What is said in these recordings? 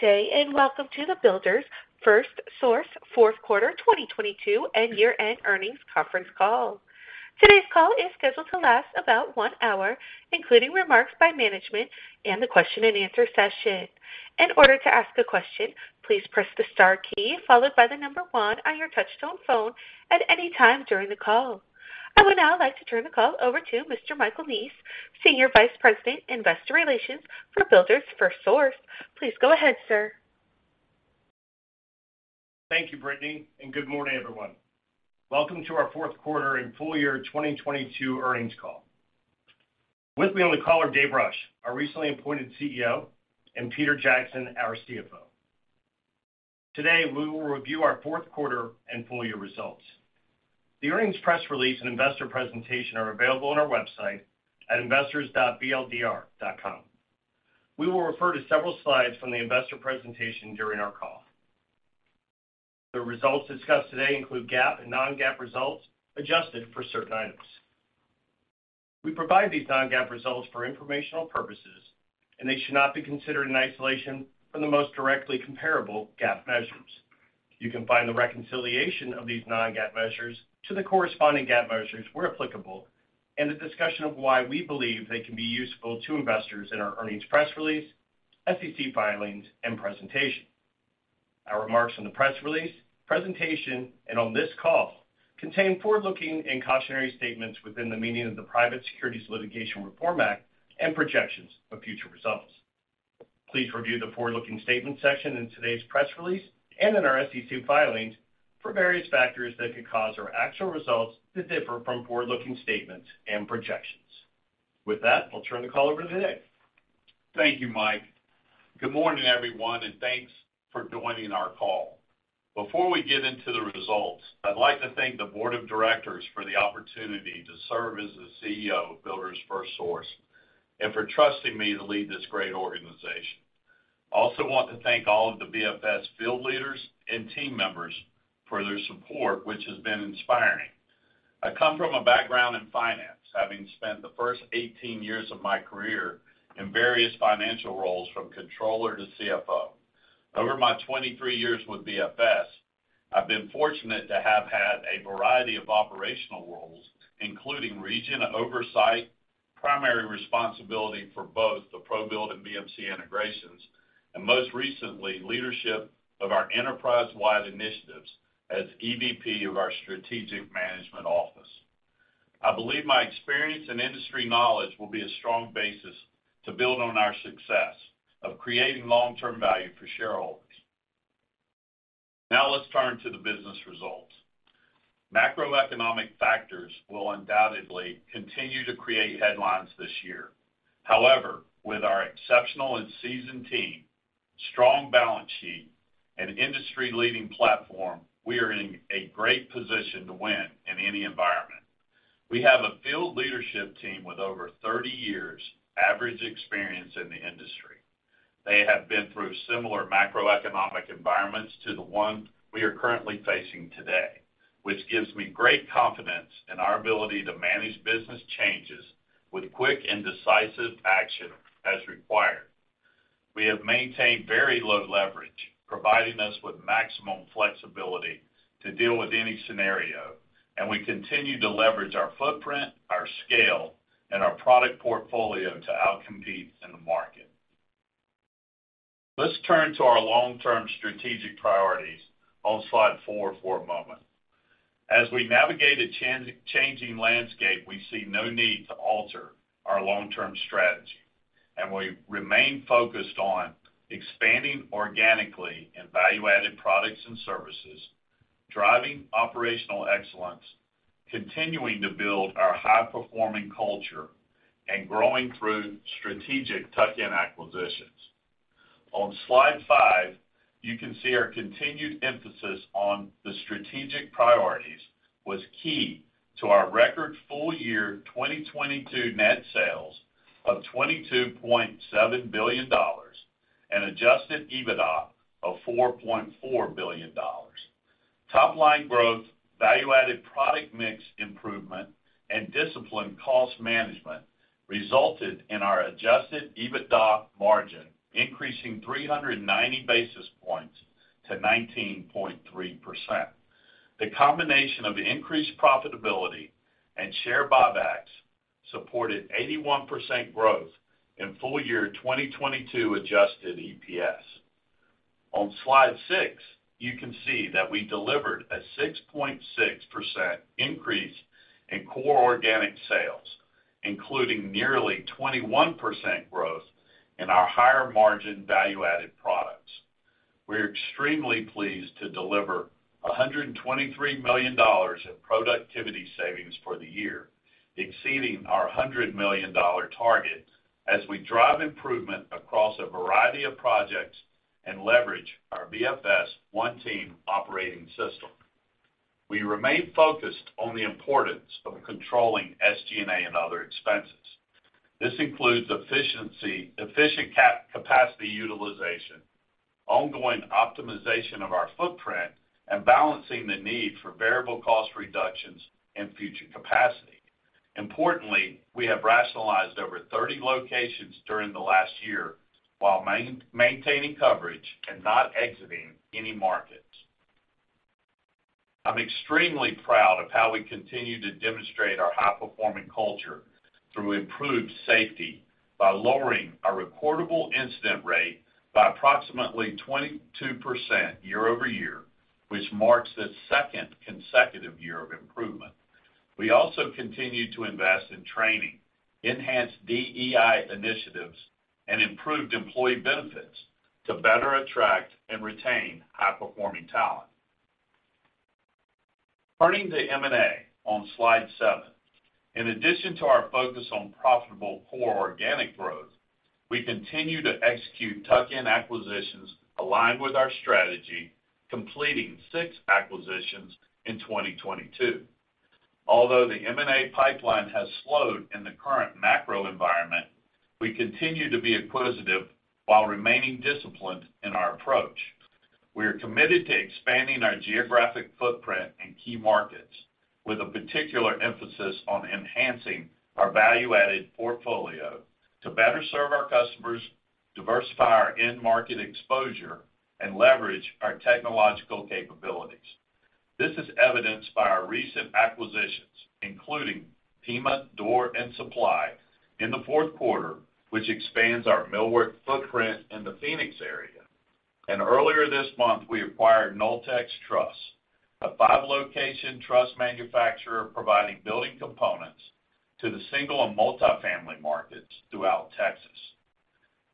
Good day, welcome to the Builders FirstSource fourth quarter 2022 and year-end earnings conference call. Today's call is scheduled to last about one hour, including remarks by management and the question-and-answer session. In order to ask a question, please press the Star key followed by the one on your touch-tone phone at any time during the call. I would now like to turn the call over to Mr. Michael Neese, Senior Vice President, Investor Relations for Builders FirstSource. Please go ahead, sir. Thank you, Brittney, and good morning, everyone. Welcome to our fourth quarter and full year 2022 earnings call. With me on the call are Dave Rush, our recently appointed CEO, and Peter Jackson, our CFO. Today, we will review our fourth quarter and full year results. The earnings press release and investor presentation are available on our website at investors.bldr.com. We will refer to several slides from the investor presentation during our call. The results discussed today include GAAP and non-GAAP results adjusted for certain items. We provide these non-GAAP results for informational purposes, and they should not be considered in isolation from the most directly comparable GAAP measures. You can find the reconciliation of these non-GAAP measures to the corresponding GAAP measures where applicable and the discussion of why we believe they can be useful to investors in our earnings press release, SEC filings, and presentation. Our remarks on the press release, presentation, and on this call contain forward-looking and cautionary statements within the meaning of the Private Securities Litigation Reform Act and projections of future results. Please review the forward-looking statement section in today's press release and in our SEC filings for various factors that could cause our actual results to differ from forward-looking statements and projections. With that, I'll turn the call over to Dave. Thank you, Mike. Good morning, everyone. Thanks for joining our call. Before we get into the results, I'd like to thank the board of directors for the opportunity to serve as the CEO of Builders FirstSource and for trusting me to lead this great organization. I also want to thank all of the BFS field leaders and team members for their support, which has been inspiring. I come from a background in finance, having spent the first 18 years of my career in various financial roles from controller to CFO. Over my 23 years with BFS, I've been fortunate to have had a variety of operational roles, including region oversight, primary responsibility for both the ProBuild and BMC integrations, and most recently, leadership of our enterprise-wide initiatives as EVP of our strategic management office. I believe my experience and industry knowledge will be a strong basis to build on our success of creating long-term value for shareholders. Let's turn to the business results. Macroeconomic factors will undoubtedly continue to create headlines this year. With our exceptional and seasoned team, strong balance sheet, and industry-leading platform, we are in a great position to win in any environment. We have a field leadership team with over 30 years average experience in the industry. They have been through similar macroeconomic environments to the one we are currently facing today, which gives me great confidence in our ability to manage business changes with quick and decisive action as required. We have maintained very low leverage, providing us with maximum flexibility to deal with any scenario, and we continue to leverage our footprint, our scale, and our product portfolio to outcompete in the market. Let's turn to our long-term strategic priorities on slide four for a moment. As we navigate a changing landscape, we see no need to alter our long-term strategy. We remain focused on expanding organically in value-added products and services, driving operational excellence, continuing to build our high-performing culture, and growing through strategic tuck-in acquisitions. On slide five, you can see our continued emphasis on the strategic priorities was key to our record full-year 2022 net sales of $22.7 billion and adjusted EBITDA of $4.4 billion. Top-line growth, value-added product mix improvement, and disciplined cost management resulted in our adjusted EBITDA margin, increasing 390 basis points to 19.3%. The combination of increased profitability and share buybacks supported 81% growth in full year 2022 adjusted EPS. On slide six, you can see that we delivered a 6.6% increase in core organic sales, including nearly 21% growth in our higher-margin value-added products. We're extremely pleased to deliver $123 million in productivity savings for the year, exceeding our $100 million target as we drive improvement across a variety of projects and leverage our BFS One Team operating system. We remain focused on the importance of controlling SG&A and other expenses. This includes efficient capacity utilization, ongoing optimization of our footprint, and balancing the need for variable cost reductions and future capacity. Importantly, we have rationalized over 30 locations during the last year while maintaining coverage and not exiting any markets. I'm extremely proud of how we continue to demonstrate our high-performing culture through improved safety by lowering our reportable incident rate by approximately 22% year-over-year, which marks the second consecutive year of improvement. We also continue to invest in training, enhance DEI initiatives, and improved employee benefits to better attract and retain high-performing talent. Turning to M&A on slide seven. In addition to our focus on profitable core organic growth, we continue to execute tuck-in acquisitions aligned with our strategy, completing six acquisitions in 2022. Although the M&A pipeline has slowed in the current macro environment, we continue to be acquisitive while remaining disciplined in our approach. We are committed to expanding our geographic footprint in key markets, with a particular emphasis on enhancing our value-added portfolio to better serve our customers, diversify our end market exposure, and leverage our technological capabilities. This is evidenced by our recent acquisitions, including Pima Door & Supply in the fourth quarter, which expands our millwork footprint in the Phoenix area. Earlier this month, we acquired Noltex Truss, a five-location truss manufacturer providing building components to the single and multifamily markets throughout Texas.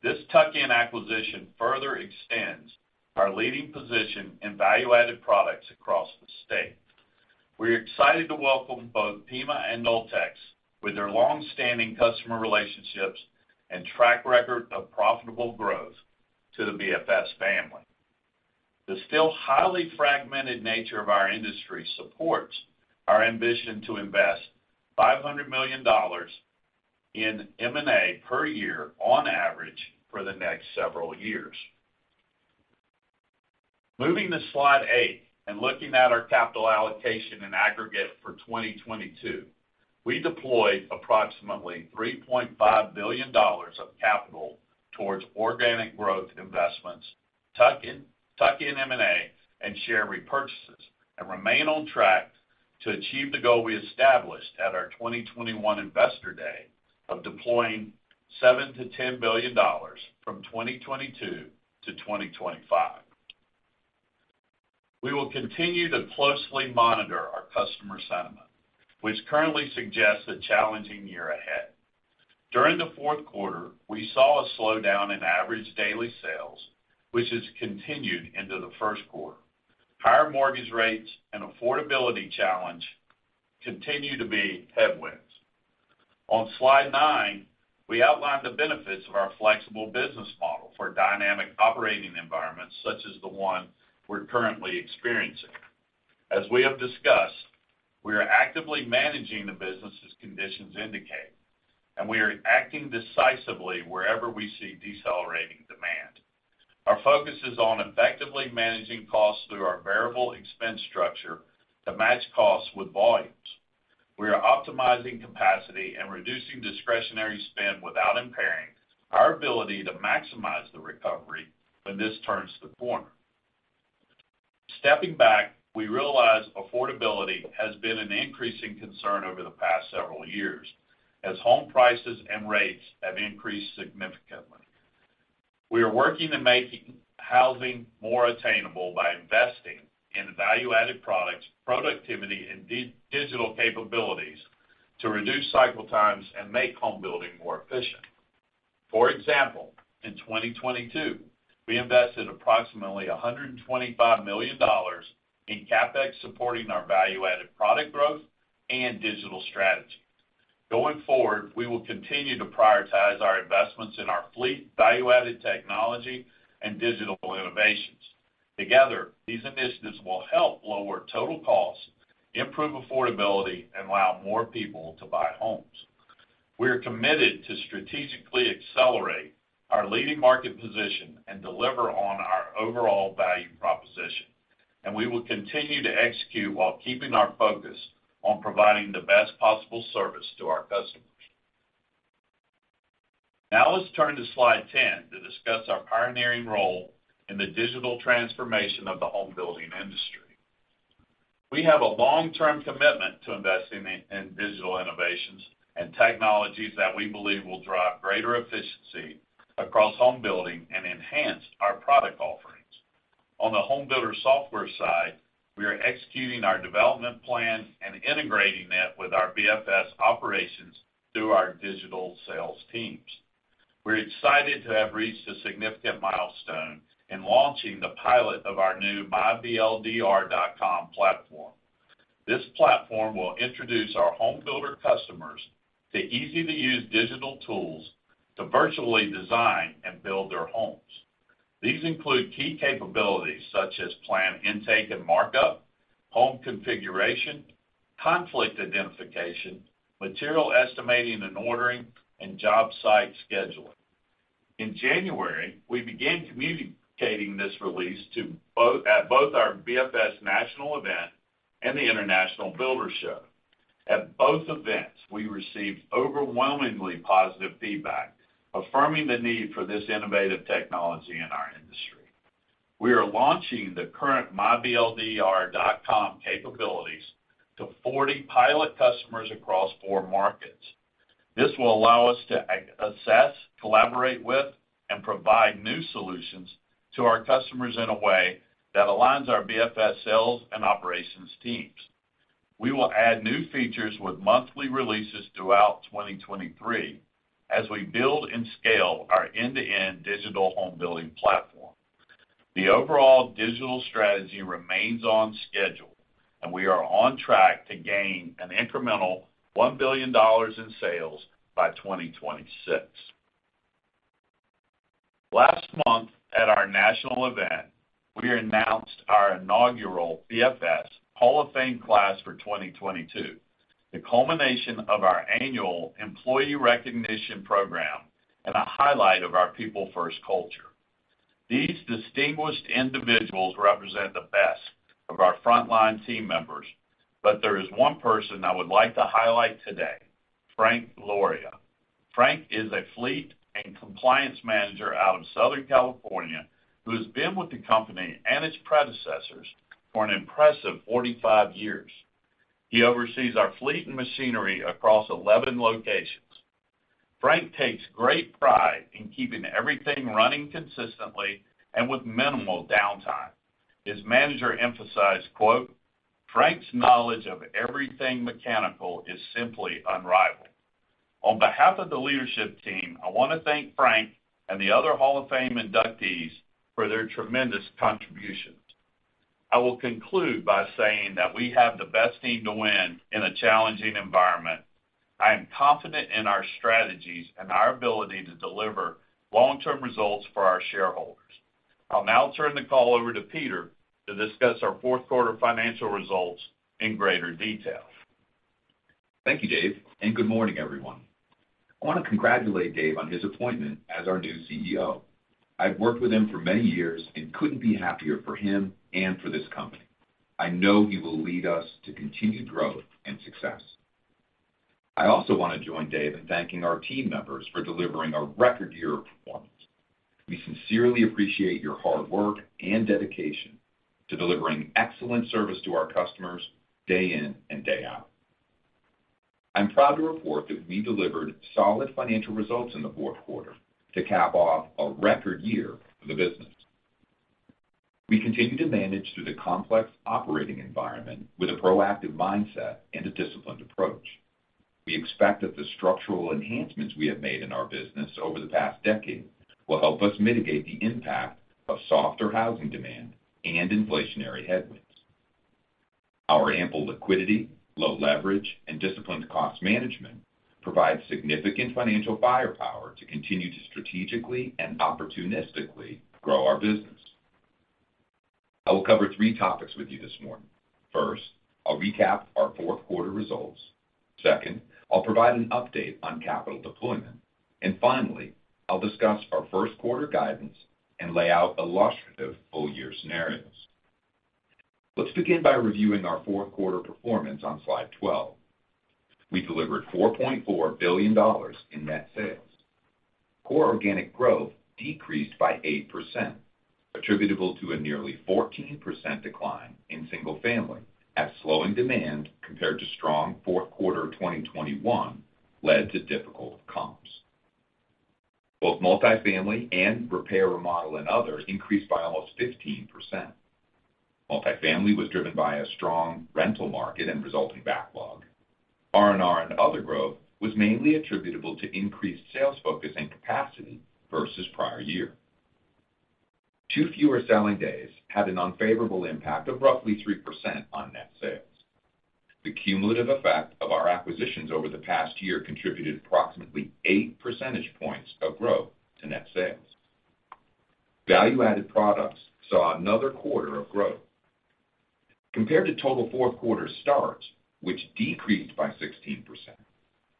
This tuck-in acquisition further extends our leading position in value-added products across the state. We're excited to welcome both Pima and Noltex with their long-standing customer relationships and track record of profitable growth to the BFS family. The still highly fragmented nature of our industry supports our ambition to invest $500 million in M&A per year on average for the next several years. Moving to slide eight and looking at our capital allocation in aggregate for 2022. We deployed approximately $3.5 billion of capital towards organic growth investments, tuck-in M&A, and share repurchases, and remain on track to achieve the goal we established at our 2021 Investor Day of deploying $7 billion-$10 billion from 2022-2025. We will continue to closely monitor our customer sentiment, which currently suggests a challenging year ahead. During the fourth quarter, we saw a slowdown in average daily sales, which has continued into the first quarter. Higher mortgage rates and affordability challenge continue to be headwinds. On slide nine, we outlined the benefits of our flexible business model for dynamic operating environments such as the one we're currently experiencing. As we have discussed, we are actively managing the business as conditions indicate, and we are acting decisively wherever we see decelerating demand. Our focus is on effectively managing costs through our variable expense structure to match costs with volumes. We are optimizing capacity and reducing discretionary spend without impairing our ability to maximize the recovery when this turns the corner. Stepping back, we realize affordability has been an increasing concern over the past several years as home prices and rates have increased significantly. We are working to making housing more attainable by investing in value-added products, productivity, and digital capabilities to reduce cycle times and make home building more efficient. For example, in 2022, we invested approximately $125 million in CapEx supporting our value-added product growth and digital strategy. Going forward, we will continue to prioritize our investments in our fleet value-added technology and digital innovations. Together, these initiatives will help lower total costs, improve affordability, and allow more people to buy homes. We are committed to strategically accelerate our leading market position and deliver on our overall value proposition, and we will continue to execute while keeping our focus on providing the best possible service to our customers. Now let's turn to slide 10 to discuss our pioneering role in the digital transformation of the home building industry. We have a long-term commitment to investing in digital innovations and technologies that we believe will drive greater efficiency across home building and enhance our product offerings. On the home builder software side, we are executing our development plan and integrating it with our BFS operations through our digital sales teams. We're excited to have reached a significant milestone in launching the pilot of our new mybldr.com platform. This platform will introduce our home builder customers to easy-to-use digital tools to virtually design and build their homes. These include key capabilities such as plan intake and markup, home configuration, conflict identification, material estimating and ordering, and job site scheduling. In January, we began communicating this release at both our BFS national event and the International Builders' Show. At both events, we received overwhelmingly positive feedback, affirming the need for this innovative technology in our industry. We are launching the current mybldr.com capabilities to 40 pilot customers across four markets. This will allow us to assess, collaborate with, and provide new solutions to our customers in a way that aligns our BFS sales and operations teams. We will add new features with monthly releases throughout 2023 as we build and scale our end-to-end digital home building platform. The overall digital strategy remains on schedule, and we are on track to gain an incremental $1 billion in sales by 2026. Last month at our national event, we announced our inaugural BFS Hall of Fame class for 2022, the culmination of our annual employee recognition program and a highlight of our people-first culture. These distinguished individuals represent the best of our frontline team members, there is one person I would like to highlight today, Frank Gloria. Frank is a fleet and compliance manager out of Southern California who has been with the company and its predecessors for an impressive 45 years. He oversees our fleet and machinery across 11 locations. Frank takes great pride in keeping everything running consistently and with minimal downtime. His manager emphasized, quote, "Frank's knowledge of everything mechanical is simply unrivaled." On behalf of the leadership team, I want to thank Frank and the other Hall of Fame inductees for their tremendous contributions. I will conclude by saying that we have the best team to win in a challenging environment. I am confident in our strategies and our ability to deliver long-term results for our shareholders. I'll now turn the call over to Peter to discuss our fourth quarter financial results in greater detail. Thank you, Dave. Good morning, everyone. I want to congratulate Dave on his appointment as our new CEO. I've worked with him for many years and couldn't be happier for him and for this company. I know he will lead us to continued growth and success. I also want to join Dave in thanking our team members for delivering a record year of performance. We sincerely appreciate your hard work and dedication to delivering excellent service to our customers day in and day out. I'm proud to report that we delivered solid financial results in the fourth quarter to cap off a record year for the business. We continue to manage through the complex operating environment with a proactive mindset and a disciplined approach. We expect that the structural enhancements we have made in our business over the past decade will help us mitigate the impact of softer housing demand and inflationary headwinds. Our ample liquidity, low leverage, and disciplined cost management provide significant financial firepower to continue to strategically and opportunistically grow our business. I will cover three topics with you this morning. First, I'll recap our fourth quarter results. Second, I'll provide an update on capital deployment. Finally, I'll discuss our first quarter guidance and lay out illustrative full year scenarios. Let's begin by reviewing our fourth quarter performance on slide 12. We delivered $4.4 billion in net sales. Core organic growth decreased by 8% attributable to a nearly 14% decline in single family as slowing demand compared to strong fourth quarter of 2021 led to difficult comps. Both multifamily and repair, remodel, and other increased by almost 15%. Multifamily was driven by a strong rental market and resulting backlog. R&R and other growth was mainly attributable to increased sales focus and capacity versus prior year. Two fewer selling days had an unfavorable impact of roughly 3% on net sales. The cumulative effect of our acquisitions over the past year contributed approximately 8 percentage points of growth to net sales. Value-added products saw another quarter of growth. Compared to total fourth quarter starts, which decreased by 16%,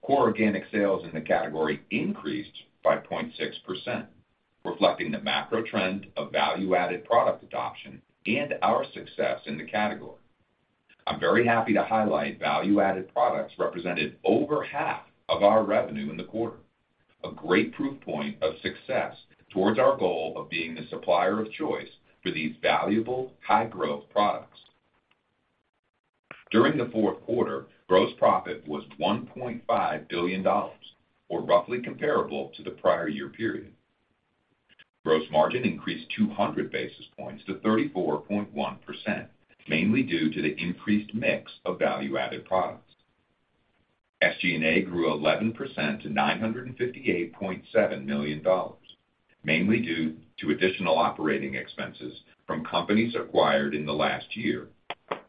core organic sales in the category increased by 0.6%, reflecting the macro trend of value-added product adoption and our success in the category. I'm very happy to highlight value-added products represented over half of our revenue in the quarter, a great proof point of success towards our goal of being the supplier of choice for these valuable high-growth products. During the fourth quarter, gross profit was $1.5 billion or roughly comparable to the prior year period. Gross margin increased 200 basis points to 34.1%, mainly due to the increased mix of value-added products. SG&A grew 11% to $958.7 million, mainly due to additional operating expenses from companies acquired in the last year,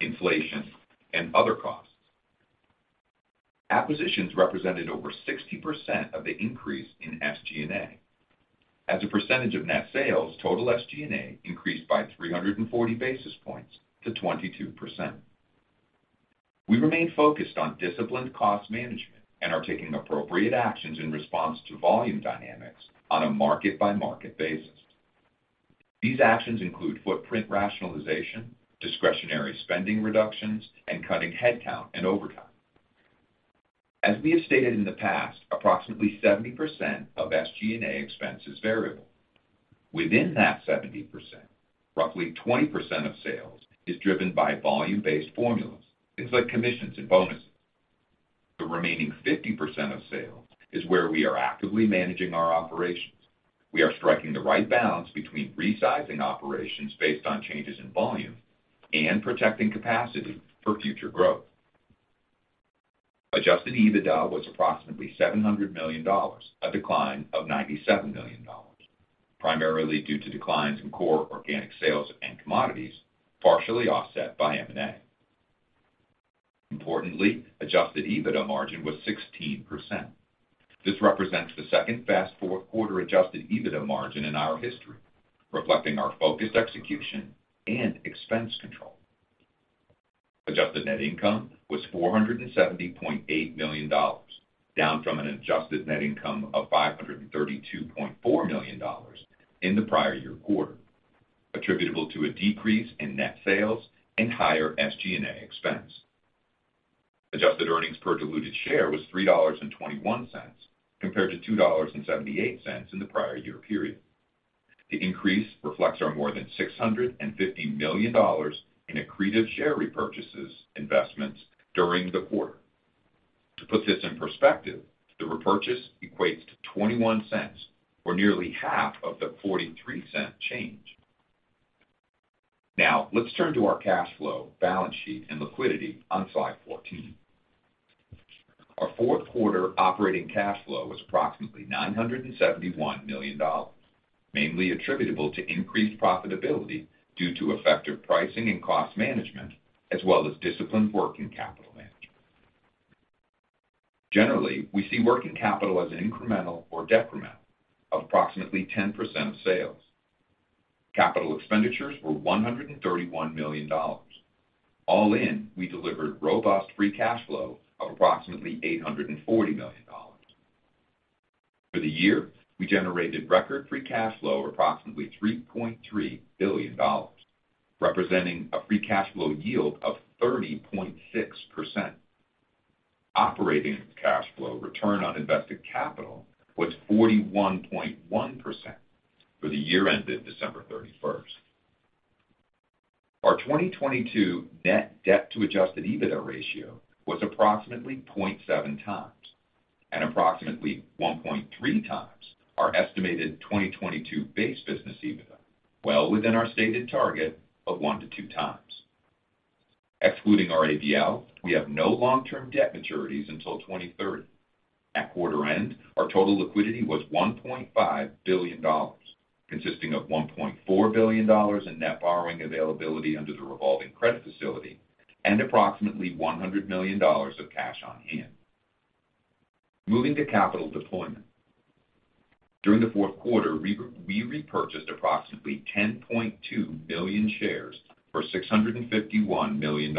inflation, and other costs. Acquisitions represented over 60% of the increase in SG&A. As a percentage of net sales, total SG&A increased by 340 basis points to 22%. We remain focused on disciplined cost management and are taking appropriate actions in response to volume dynamics on a market by market basis. These actions include footprint rationalization, discretionary spending reductions, and cutting headcount and overtime. As we have stated in the past, approximately 70% of SG&A expense is variable. Within that 70%, roughly 20% of sales is driven by volume-based formulas. Things like commissions and bonuses. The remaining 50% of sales is where we are actively managing our operations. We are striking the right balance between resizing operations based on changes in volume and protecting capacity for future growth. Adjusted EBITDA was approximately $700 million, a decline of $97 million, primarily due to declines in core organic sales and commodities, partially offset by M&A. Importantly, adjusted EBITDA margin was 16%. This represents the second fast fourth quarter adjusted EBITDA margin in our history, reflecting our focused execution and expense control. Adjusted net income was $470.8 million, down from an adjusted net income of $532.4 million in the prior year quarter, attributable to a decrease in net sales and higher SG&A expense. Adjusted earnings per diluted share was $3.21 compared to $2.78 in the prior year period. The increase reflects our more than $650 million in accretive share repurchases investments during the quarter. To put this in perspective, the repurchase equates to $0.21 or nearly half of the $0.43 change. Now let's turn to our cash flow, balance sheet and liquidity on slide 14. Our fourth quarter operating cash flow was approximately $971 million, mainly attributable to increased profitability due to effective pricing and cost management as well as disciplined working capital management. Generally, we see working capital as incremental or decremental of approximately 10% of sales. Capital expenditures were $131 million. All in, we delivered robust free cash flow of approximately $840 million. For the year, we generated record free cash flow of approximately $3.3 billion, representing a free cash flow yield of 30.6%. Operating cash flow return on invested capital was 41.1% for the year ended December 31st. Our 2022 net debt to adjusted EBITDA ratio was approximately 0.7 times and approximately 1.3 times our estimated 2022 base business EBITDA, well within our stated target of one to two times. Excluding our ABL, we have no long-term debt maturities until 2030. At quarter end, our total liquidity was $1.5 billion, consisting of $1.4 billion in net borrowing availability under the revolving credit facility and approximately $100 million of cash on hand. Moving to capital deployment. During the fourth quarter, we repurchased approximately 10.2 billion shares for $651 million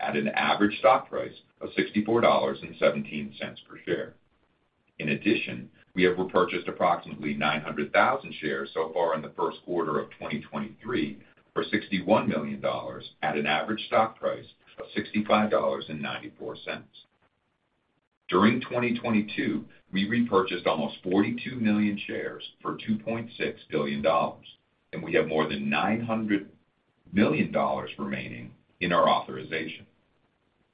at an average stock price of $64.17 per share. We have repurchased approximately 900,000 shares so far in the 1st quarter of 2023 for $61 million at an average stock price of $65.94. During 2022, we repurchased almost 42 million shares for $2.6 billion, and we have more than $900 million remaining in our authorization.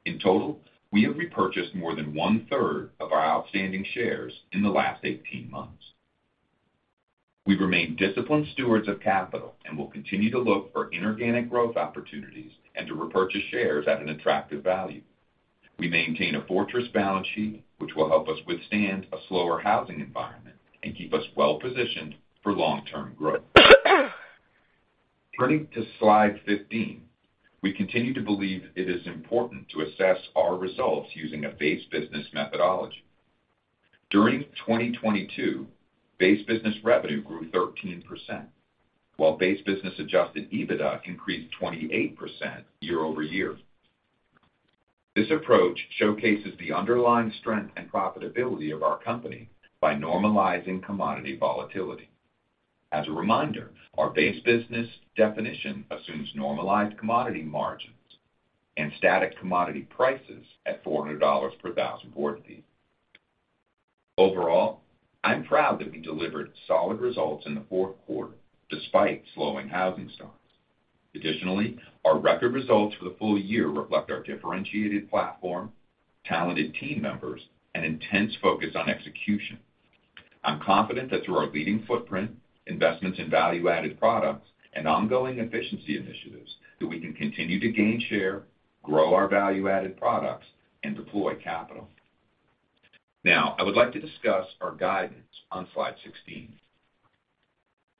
In total, we have repurchased more than one-third of our outstanding shares in the last 18 months. We remain disciplined stewards of capital and will continue to look for inorganic growth opportunities and to repurchase shares at an attractive value. We maintain a fortress balance sheet which will help us withstand a slower housing environment and keep us well positioned for long-term growth. Turning to slide 15. We continue to believe it is important to assess our results using a base business methodology. During 2022, base business revenue grew 13%, while base business adjusted EBITDA increased 28% year-over-year. This approach showcases the underlying strength and profitability of our company by normalizing commodity volatility. As a reminder, our base business definition assumes normalized commodity margins and static commodity prices at $400 per thousand board feet. Overall, I'm proud that we delivered solid results in the fourth quarter despite slowing housing starts. Our record results for the full year reflect our differentiated platform, talented team members, and intense focus on execution. I'm confident that through our leading footprint, investments in value-added products, and ongoing efficiency initiatives, that we can continue to gain share, grow our value-added products, and deploy capital. I would like to discuss our guidance on slide 16.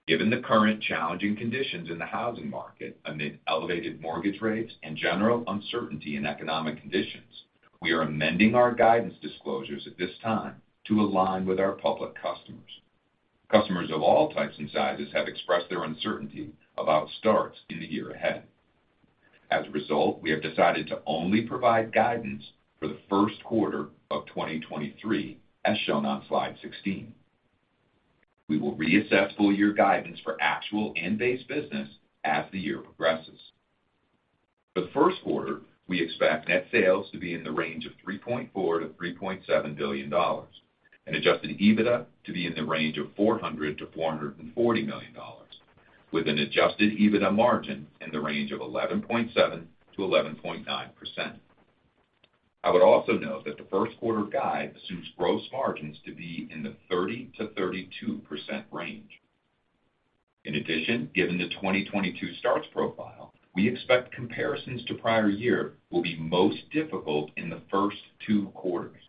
Given the current challenging conditions in the housing market amid elevated mortgage rates and general uncertainty in economic conditions, we are amending our guidance disclosures at this time to align with our public customers. Customers of all types and sizes have expressed their uncertainty about starts in the year ahead. As a result, we have decided to only provide guidance for the first quarter of 2023, as shown on slide 16. We will reassess full year guidance for actual end base business as the year progresses. For the first quarter, we expect net sales to be in the range of $3.4 billion-$3.7 billion and adjusted EBITDA to be in the range of $400 million-$440 million, with an adjusted EBITDA margin in the range of 11.7%-11.9%. I would also note that the first quarter guide assumes gross margins to be in the 30%-32% range. In addition, given the 2022 starts profile, we expect comparisons to prior year will be most difficult in the first two quarters.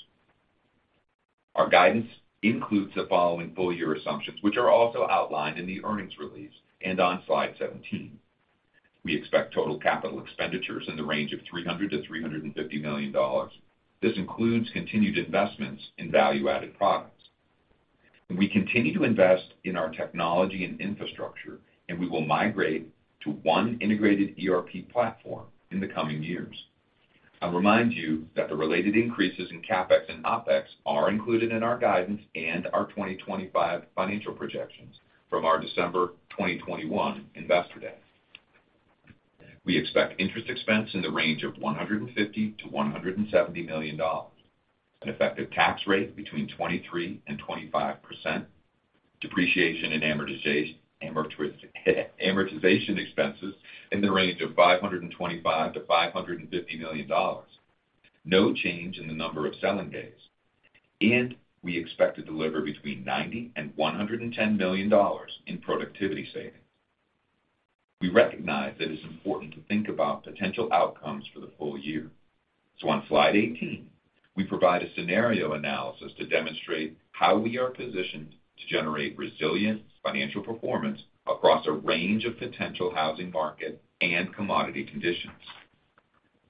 Our guidance includes the following full year assumptions, which are also outlined in the earnings release and on slide 17. We expect total capital expenditures in the range of $300 million-$350 million. This includes continued investments in value-added products. We continue to invest in our technology and infrastructure, and we will migrate to one integrated ERP platform in the coming years. I'll remind you that the related increases in CapEx and OpEx are included in our guidance and our 2025 financial projections from our December 2021 Investor Day. We expect interest expense in the range of $150 million-$170 million, an effective tax rate between 23%-25%, depreciation and amortization expenses in the range of $525 million-$550 million. No change in the number of selling days, and we expect to deliver between $90 million-$110 million in productivity savings. We recognize that it's important to think about potential outcomes for the full year. On slide 18, we provide a scenario analysis to demonstrate how we are positioned to generate resilient financial performance across a range of potential housing market and commodity conditions.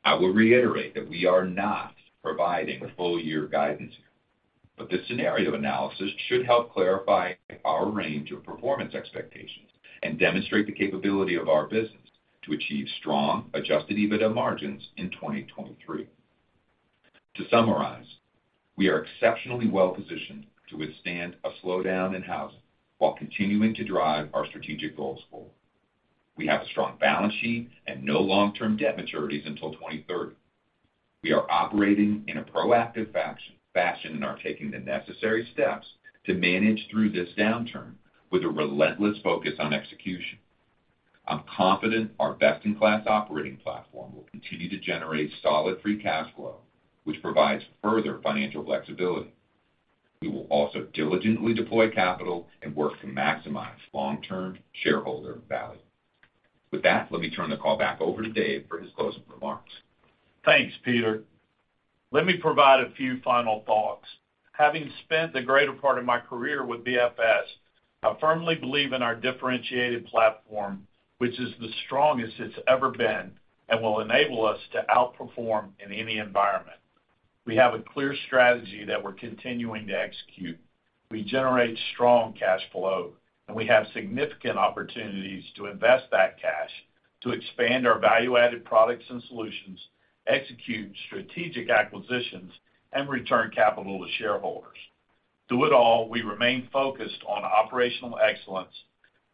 I will reiterate that we are not providing a full year guidance here. This scenario analysis should help clarify our range of performance expectations and demonstrate the capability of our business to achieve strong adjusted EBITDA margins in 2023. To summarize, we are exceptionally well-positioned to withstand a slowdown in housing while continuing to drive our strategic goals forward. We have a strong balance sheet and no long-term debt maturities until 2030. We are operating in a proactive fashion and are taking the necessary steps to manage through this downturn with a relentless focus on execution. I'm confident our best-in-class operating platform will continue to generate solid free cash flow, which provides further financial flexibility. We will also diligently deploy capital and work to maximize long-term shareholder value. With that, let me turn the call back over to Dave for his closing remarks. Thanks, Peter. Let me provide a few final thoughts. Having spent the greater part of my career with BFS, I firmly believe in our differentiated platform, which is the strongest it's ever been and will enable us to outperform in any environment. We have a clear strategy that we're continuing to execute. We generate strong cash flow, and we have significant opportunities to invest that cash to expand our value-added products and solutions, execute strategic acquisitions, and return capital to shareholders. Through it all, we remain focused on operational excellence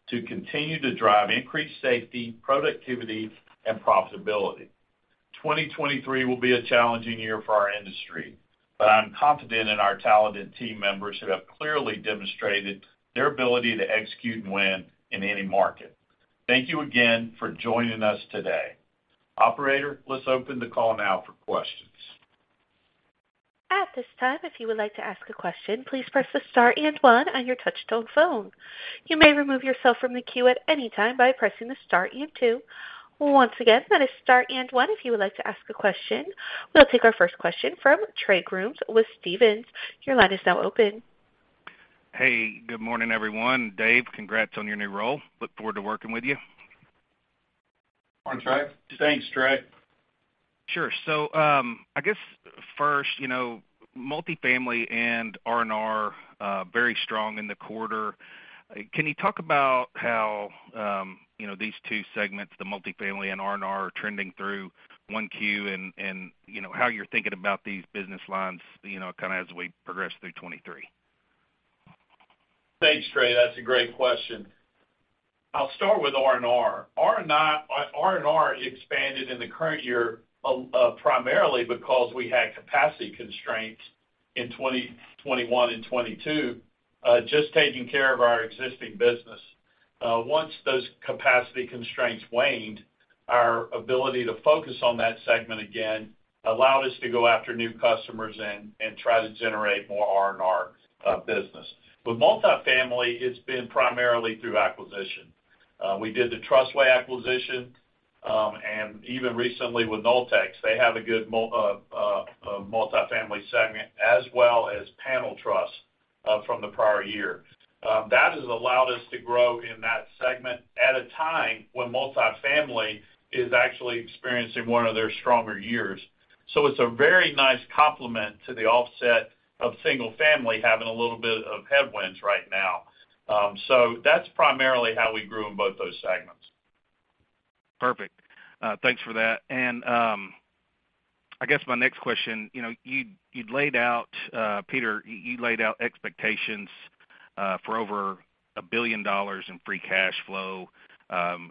to continue to drive increased safety, productivity, and profitability. 2023 will be a challenging year for our industry, but I'm confident in our talented team members who have clearly demonstrated their ability to execute and win in any market. Thank you again for joining us today. Operator, let's open the call now for questions. At this time, if you would like to ask a question, please press the star and one on your touch tone phone. You may remove yourself from the queue at any time by pressing the star and two. Once again, that is star and one if you would like to ask a question. We will take our first question from Trey Grooms with Stephens. Your line is now open. Hey, good morning, everyone. Dave, congrats on your new role. Look forward to working with you. Morning, Trey. Thanks, Trey. Sure. I guess first, you know, multifamily and R&R, very strong in the quarter. Can you talk about how, you know, these two segments, the multifamily and R&R are trending through 1Q and, you know, how you're thinking about these business lines, you know, kind of as we progress through 2023? Thanks, Trey. That's a great question. I'll start with R&R. R&R expanded in the current year, primarily because we had capacity constraints in 2021 and 2022, just taking care of our existing business. Once those capacity constraints waned, our ability to focus on that segment again allowed us to go after new customers and try to generate more R&R business. With multifamily, it's been primarily through acquisition. We did the Trussway acquisition, and even recently with Noltex, they have a good multifamily segment, as well as panel trusses from the prior year. That has allowed us to grow in that segment at a time when multifamily is actually experiencing one of their stronger years. It's a very nice complement to the offset of single-family having a little bit of headwinds right now. That's primarily how we grew in both those segments. Perfect. Thanks for that. I guess my next question, you know, you'd laid out, Peter, you laid out expectations for over $1 billion in free cash flow,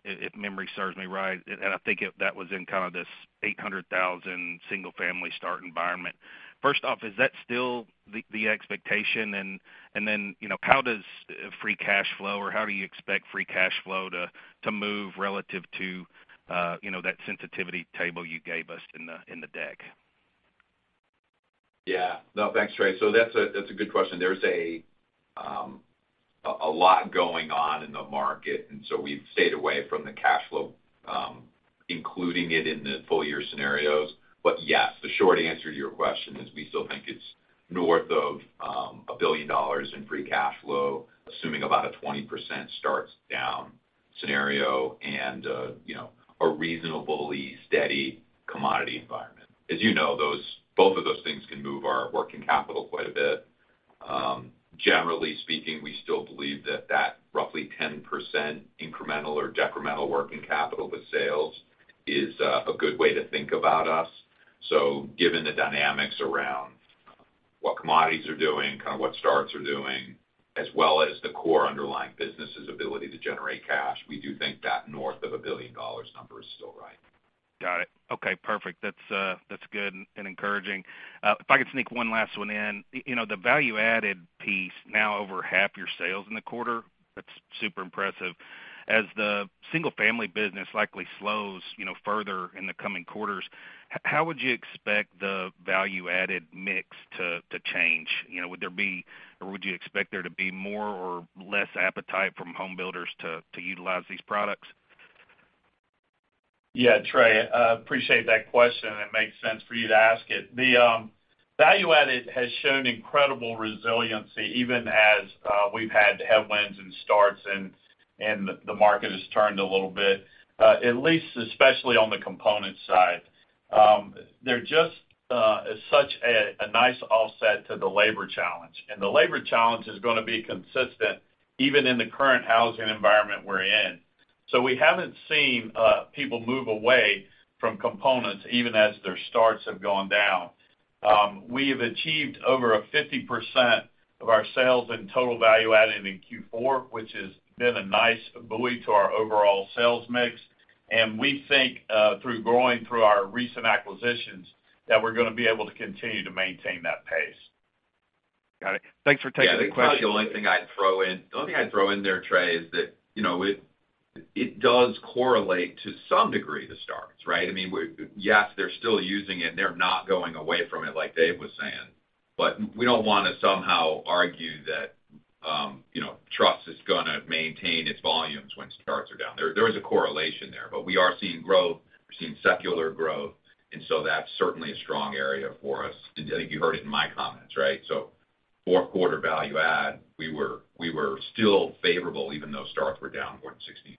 if memory serves me right. I think that was in kind of this 800,000 single-family start environment. First off, is that still the expectation? Then, you know, how does free cash flow or how do you expect free cash flow to move relative to, you know, that sensitivity table you gave us in the deck? No, thanks, Trey. That's a good question. There's a lot going on in the market, we've stayed away from the cash flow, including it in the full year scenarios. Yes, the short answer to your question is we still think it's north of $1 billion in free cash flow, assuming about a 20% starts down scenario and, you know, a reasonably steady commodity environment. As you know, both of those things can move our working capital quite a bit. Generally speaking, we still believe that that roughly 10% incremental or decremental working capital with sales is a good way to think about us. Given the dynamics around what commodities are doing, kind of what starts are doing, as well as the core underlying business' ability to generate cash, we do think that north of a $1 billion number is still right. Got it. Okay, perfect. That's, that's good and encouraging. If I could sneak one last one in. You know, the value-added piece now over half your sales in the quarter, that's super impressive. As the single-family business likely slows, you know, further in the coming quarters, how would you expect the value-added mix to change? You know, would there be, or would you expect there to be more or less appetite from home builders to utilize these products? Yeah, Trey, I appreciate that question, and it makes sense for you to ask it. The value added has shown incredible resiliency, even as we've had headwinds and starts and the market has turned a little bit, at least especially on the component side. They're just such a nice offset to the labor challenge. The labor challenge is gonna be consistent even in the current housing environment we're in. We haven't seen people move away from components even as their starts have gone down. We have achieved over 50% of our sales in total value added in Q4, which has been a nice buoy to our overall sales mix. We think through growing through our recent acquisitions, that we're gonna be able to continue to maintain that pace. Got it. Thanks for taking the question. The only thing I'd throw in there, Trey, is that, you know, it does correlate to some degree the starts, right? I mean, yes, they're still using it, and they're not going away from it like Dave was saying. We don't wanna somehow argue that, you know, truss is gonna maintain its volumes when starts are down. There is a correlation there, we are seeing growth. We're seeing secular growth, that's certainly a strong area for us. I think you heard it in my comments, right? Q4 value add, we were still favorable even though starts were down more than 16%.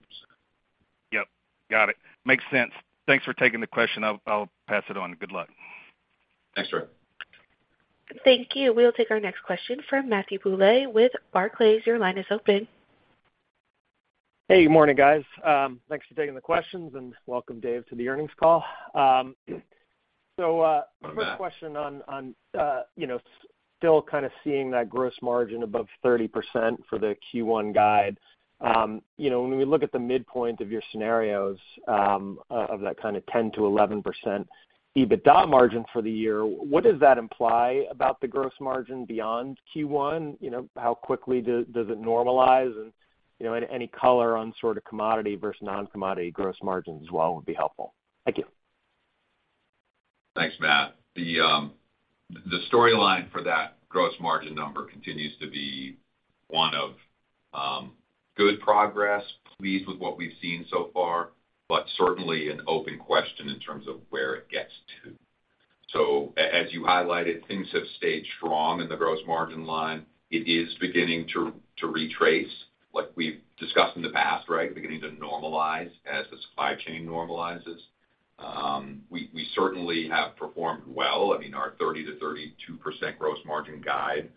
Yep. Got it. Makes sense. Thanks for taking the question. I'll pass it on. Good luck. Thanks, Trey. Thank you. We'll take our next question from Matthew Bouley with Barclays. Your line is open. Hey, good morning, guys. Thanks for taking the questions, and welcome Dave to the earnings call. Good morning, Matt. First question on, you know, still kind of seeing that gross margin above 30% for the Q1 guide. You know, when we look at the midpoint of your scenarios, of that kind of 10%-11% EBITDA margin for the year, what does that imply about the gross margin beyond Q1? You know, how quickly does it normalize? Any color on sort of commodity versus non-commodity gross margin as well would be helpful. Thank you. Thanks, Matt. The storyline for that gross margin number continues to be one of good progress, pleased with what we've seen so far, but certainly an open question in terms of where it gets to. As you highlighted, things have stayed strong in the gross margin line. It is beginning to retrace like we've discussed in the past, right? Beginning to normalize as the supply chain normalizes. We certainly have performed well. I mean, our 30%-32% gross margin guide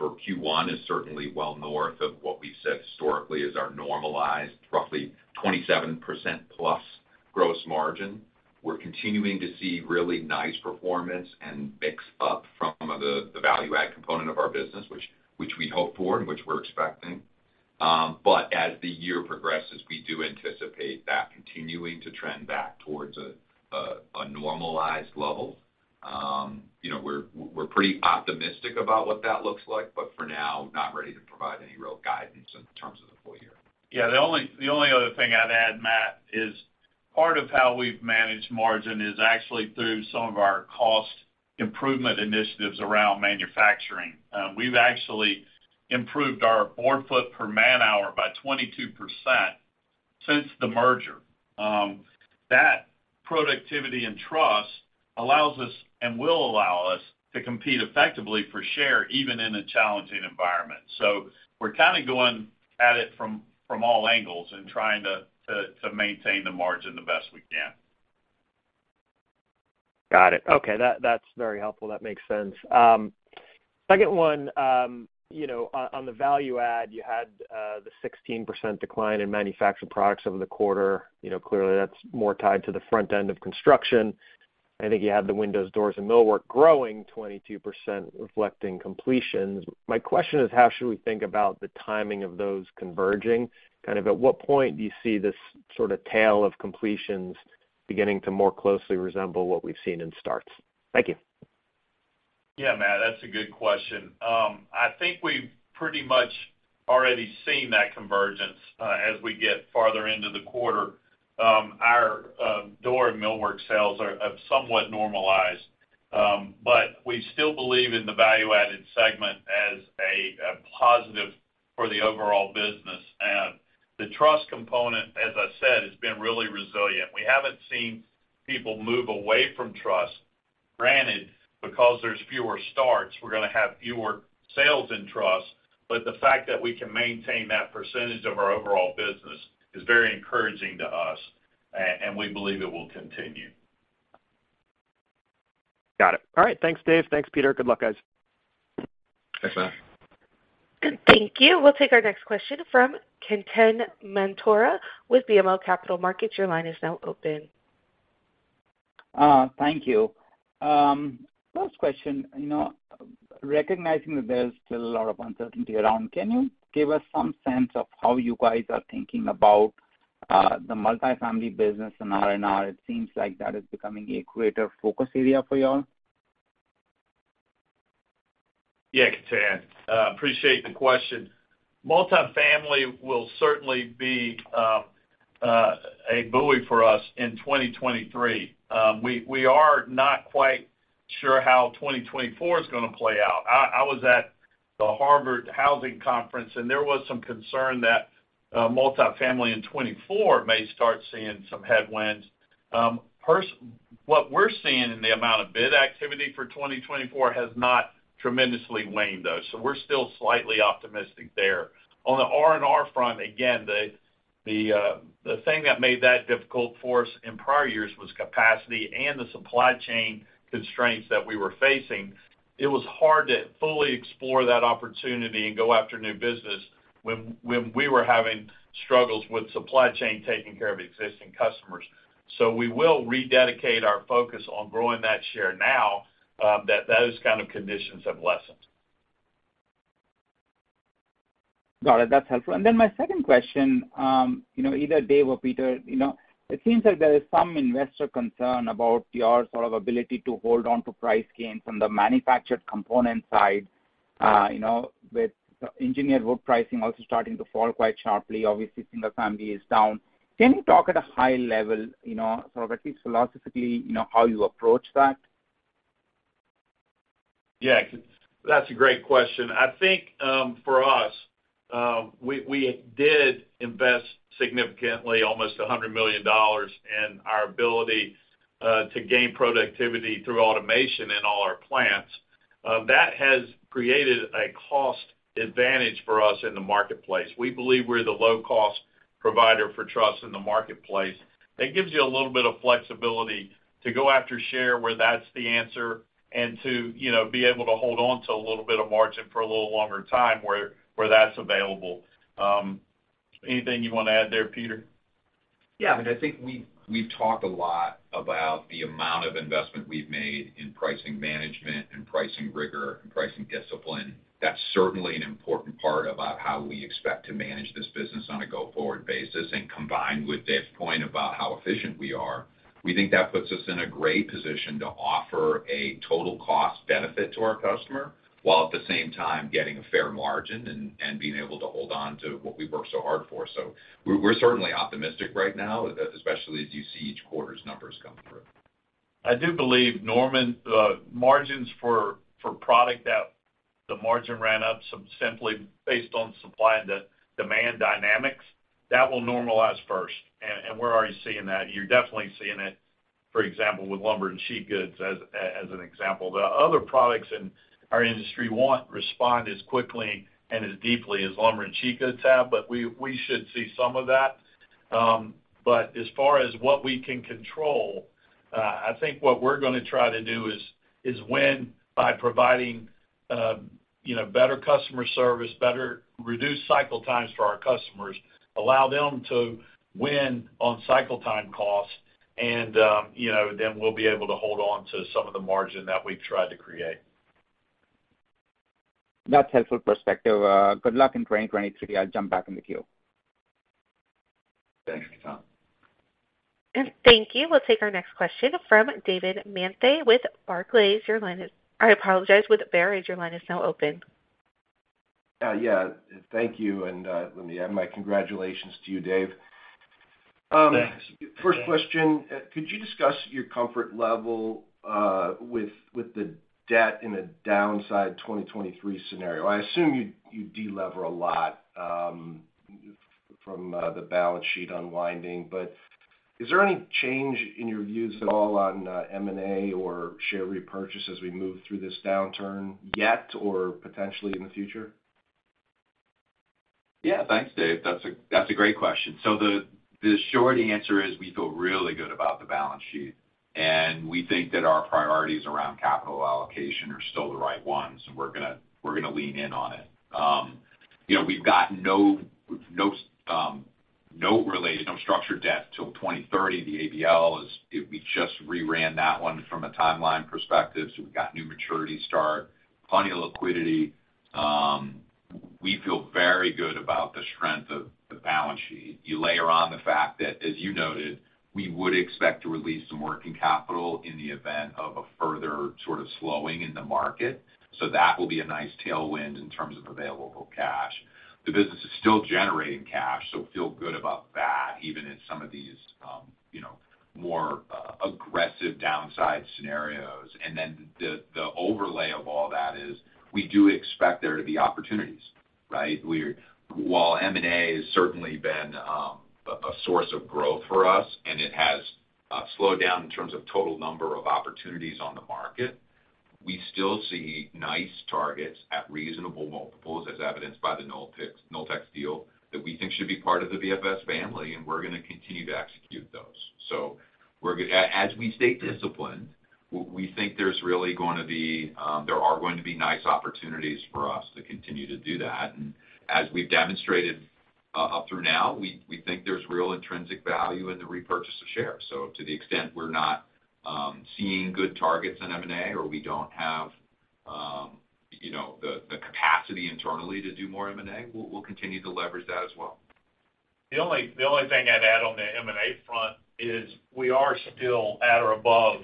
for Q1 is certainly well north of what we've said historically is our normalized, roughly 27% plus gross margin. We're continuing to see really nice performance and mix up from the value add component of our business, which we'd hope for and which we're expecting. As the year progresses, we do anticipate that continuing to trend back towards a normalized level. You know, we're pretty optimistic about what that looks like, but for now, not ready to provide any real guidance in terms of the full year. The only other thing I'd add, Matt, is part of how we've managed margin is actually through some of our cost improvement initiatives around manufacturing. We've actually improved our board foot per man hour by 22% since the merger. That productivity and truss allows us and will allow us to compete effectively for share, even in a challenging environment. We're kind of going at it from all angles and trying to maintain the margin the best we can. Got it. Okay, that's very helpful. That makes sense. Second one, you know, on the value add, you had the 16% decline in manufactured products over the quarter. You know, clearly that's more tied to the front end of construction. I think you had the windows, doors, and millwork growing 22% reflecting completions. My question is, how should we think about the timing of those converging? Kind of at what point do you see this sort of tail of completions beginning to more closely resemble what we've seen in starts? Thank you. Yeah, Matt, that's a good question. I think we've pretty much already seen that convergence as we get farther into the quarter. Our door and millwork sales have somewhat normalized. We still believe in the value-added segment as a positive for the overall business. The truss component, as I said, has been really resilient. We haven't seen people move away from truss. Granted, because there's fewer starts, we're gonna have fewer sales in truss, but the fact that we can maintain that percent of our overall business is very encouraging to us, and we believe it will continue. Got it. All right, thanks Dave, thanks Peter. Good luck, guys. Thanks, Matt. Thank you. We'll take our next question from Ketan Mamtora with BMO Capital Markets. Your line is now open. Thank you. First question, you know, recognizing that there's still a lot of uncertainty around, can you give us some sense of how you guys are thinking about the multifamily business and R&R? It seems like that is becoming a greater focus area for y'all. Ketan. Appreciate the question. Multifamily will certainly be a buoy for us in 2023. We are not quite sure how 2024 is gonna play out. I was at the Harvard Housing Conference, there was some concern that multifamily in 2024 may start seeing some headwinds. What we're seeing in the amount of bid activity for 2024 has not tremendously waned though, we're still slightly optimistic there. On the R&R front, again, the thing that made that difficult for us in prior years was capacity and the supply chain constraints that we were facing. It was hard to fully explore that opportunity and go after new business when we were having struggles with supply chain taking care of existing customers. We will rededicate our focus on growing that share now, that those kind of conditions have lessened. Got it. That's helpful. Then my second question, you know, either Dave or Peter, you know, it seems like there is some investor concern about your sort of ability to hold on to price gains on the manufactured component side, you know, with engineered wood pricing also starting to fall quite sharply. Obviously, single family is down. Can you talk at a high level, you know, sort of at least philosophically, you know, how you approach that? Yeah, that's a great question. I think, for us, we did invest significantly, almost $100 million in our ability to gain productivity through automation in all our plants. That has created a cost advantage for us in the marketplace. We believe we're the low-cost provider for truss in the marketplace. That gives you a little bit of flexibility to go after share where that's the answer and to, you know, be able to hold on to a little bit of margin for a little longer time where that's available. Anything you wanna add there, Peter? Yeah, I mean, I think we've talked a lot about the amount of investment we've made in pricing management and pricing rigor and pricing discipline. That's certainly an important part about how we expect to manage this business on a go-forward basis. Combined with Dave's point about how efficient we are, we think that puts us in a great position to offer a total cost benefit to our customer, while at the same time getting a fair margin and being able to hold on to what we've worked so hard for. We're certainly optimistic right now, especially as you see each quarter's numbers come through. I do believe, Norman, the margins for product that the margin ran up some simply based on supply and de-demand dynamics, that will normalize first. We're already seeing that. You're definitely seeing it, for example, with lumber and sheet goods as an example. The other products in our industry won't respond as quickly and as deeply as lumber and sheet goods have, but we should see some of that. But as far as what we can control, I think what we're gonna try to do is win by providing, you know, better customer service, better reduced cycle times for our customers, allow them to win on cycle time costs and, you know, then we'll be able to hold on to some of the margin that we've tried to create. That's helpful perspective. Good luck in 2023. I'll jump back in the queue. Thanks, Ketan. Thank you. We'll take our next question from David Manthey with Barclays. I apologize, with Barclays. Your line is now open. Yeah. Thank you. Let me add my congratulations to you, Dave. Yeah. First question, could you discuss your comfort level with the debt in a downside 2023 scenario? I assume you de-lever a lot from the balance sheet unwinding. Is there any change in your views at all on M&A or share repurchase as we move through this downturn yet, or potentially in the future? Yeah, thanks, Dave. That's a great question. The short answer is we feel really good about the balance sheet, we think that our priorities around capital allocation are still the right ones, we're gonna lean in on it. You know, we've got no relation, no structured debt till 2030. The ABL we just reran that one from a timeline perspective, we've got new maturity start, plenty of liquidity. We feel very good about the strength of the balance sheet. You layer on the fact that, as you noted, we would expect to release some working capital in the event of a further sort of slowing in the market. That will be a nice tailwind in terms of available cash. The business is still generating cash, so feel good about that, even in some of these, you know, more aggressive downside scenarios. The, the overlay of all that is we do expect there to be opportunities, right? While M&A has certainly been a source of growth for us, and it has slowed down in terms of total number of opportunities on the market, we still see nice targets at reasonable multiples, as evidenced by the Noltex deal that we think should be part of the BFS family, and we're gonna continue to execute those. As we stay disciplined, we think there's really gonna be, there are going to be nice opportunities for us to continue to do that. As we've demonstrated, up through now, we think there's real intrinsic value in the repurchase of shares. To the extent we're not, seeing good targets in M&A or we don't have, you know, the capacity internally to do more M&A, we'll continue to leverage that as well. The only thing I'd add on the M&A front is we are still at or above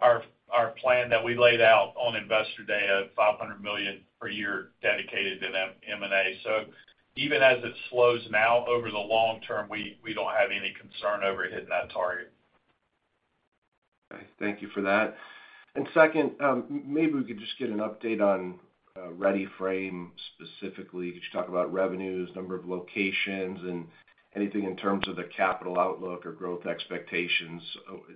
our plan that we laid out on Investor Day of $500 million per year dedicated to M&A. Even as it slows now, over the long term, we don't have any concern over hitting that target. Okay. Thank you for that. Second, maybe we could just get an update on Ready-Frame specifically. Could you talk about revenues, number of locations, and anything in terms of the capital outlook or growth expectations,